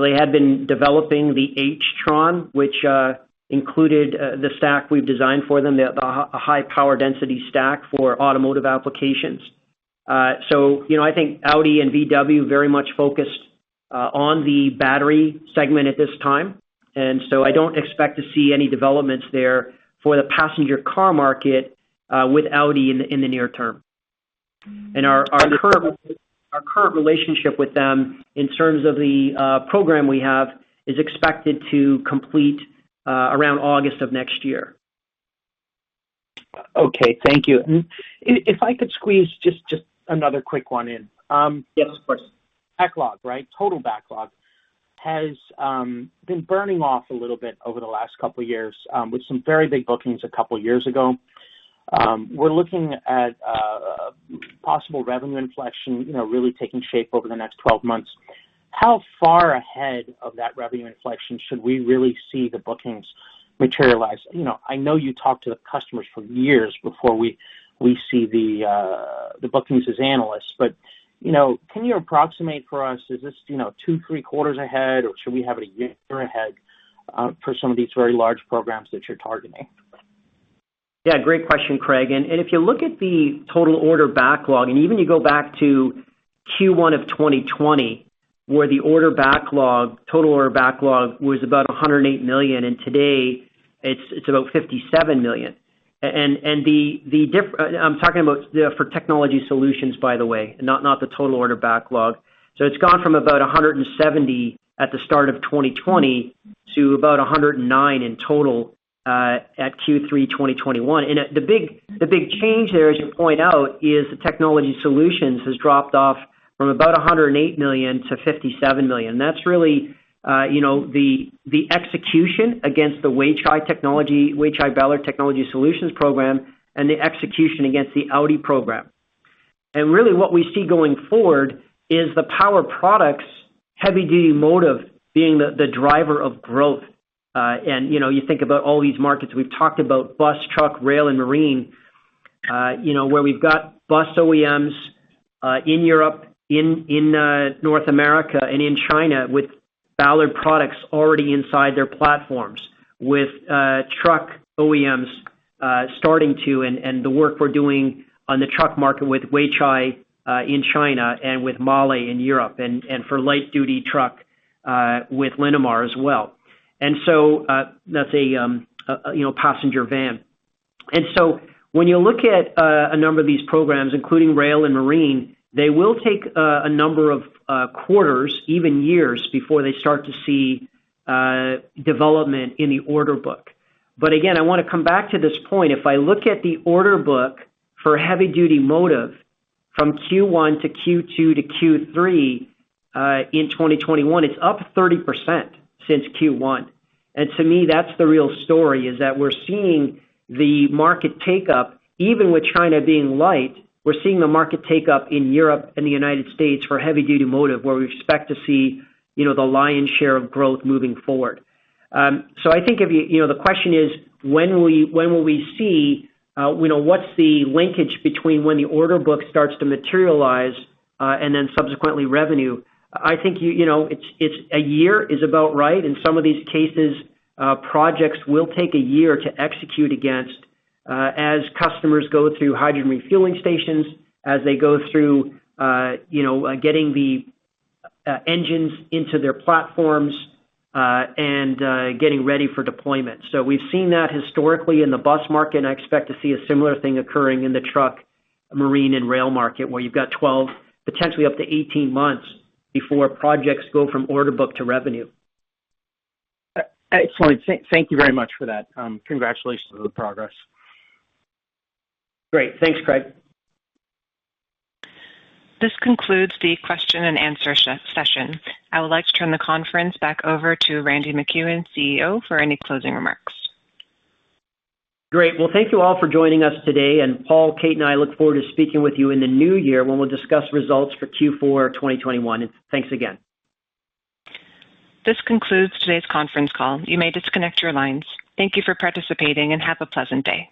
They had been developing the h-tron, which included the stack we've designed for them, the high power density stack for automotive applications. You know, I think Audi and VW very much focused on the battery segment at this time, and so I don't expect to see any developments there for the passenger car market with Audi in the near term. Our current relationship with them in terms of the program we have is expected to complete around August of next year. Okay, thank you. If I could squeeze just another quick one in. Yes, of course. Backlog, right? Total backlog has been burning off a little bit over the last couple of years with some very big bookings a couple years ago. We're looking at possible revenue inflection, you know, really taking shape over the next 12 months. How far ahead of that revenue inflection should we really see the bookings materialize? You know, I know you talk to the customers for years before we see the bookings as analysts. You know, can you approximate for us, is this, you know, 2, 3 quarters ahead, or should we have it a year ahead for some of these very large programs that you're targeting? Yeah, great question, Craig. If you look at the total order backlog and even if you go back to Q1 2020, where the total order backlog was about $108 million, and today it's about $57 million. I'm talking about the technology solutions, by the way, not the total order backlog. It's gone from about $170 million at the start of 2020 to about $109 million in total at Q3 2021. The big change there, as you point out, is the technology solutions has dropped off from about $108 million to $57 million. That's really, you know, the execution against the Weichai Ballard Technology Solutions program and the execution against the Audi program. Really what we see going forward is the Power Products heavy-duty motive being the driver of growth. You know, you think about all these markets. We've talked about bus, truck, rail, and marine, you know, where we've got bus OEMs in Europe, in North America and in China with Ballard products already inside their platforms with truck OEMs starting to, and the work we're doing on the truck market with Weichai in China and with MAHLE in Europe and for light-duty truck with Linamar as well. That's a passenger van. When you look at a number of these programs, including rail and marine, they will take a number of quarters, even years before they start to see development in the order book. Again, I wanna come back to this point. If I look at the order book for heavy duty motive from Q1 to Q2 to Q3 in 2021, it's up 30% since Q1. To me, that's the real story, is that we're seeing the market take up even with China being light, we're seeing the market take up in Europe and the United States for heavy duty motive, where we expect to see, you know, the lion's share of growth moving forward. I think if you... You know, the question is, when will we see, you know, what's the linkage between when the order book starts to materialize, and then subsequently revenue? I think you know it's a year is about right. In some of these cases, projects will take a year to execute against, as customers go through hydrogen refueling stations, as they go through, you know, getting the engines into their platforms, and getting ready for deployment. We've seen that historically in the bus market, and I expect to see a similar thing occurring in the truck, marine, and rail market, where you've got 12, potentially up to 18 months before projects go from order book to revenue. Excellent. Thank you very much for that. Congratulations on the progress. Great. Thanks, Craig. This concludes the question and answer session. I would like to turn the conference back over to Randy MacEwen, CEO, for any closing remarks. Great. Well, thank you all for joining us today. Paul, Kate, and I look forward to speaking with you in the new year when we'll discuss results for Q4 2021. Thanks again. This concludes today's conference call. You may disconnect your lines. Thank you for participating and have a pleasant day.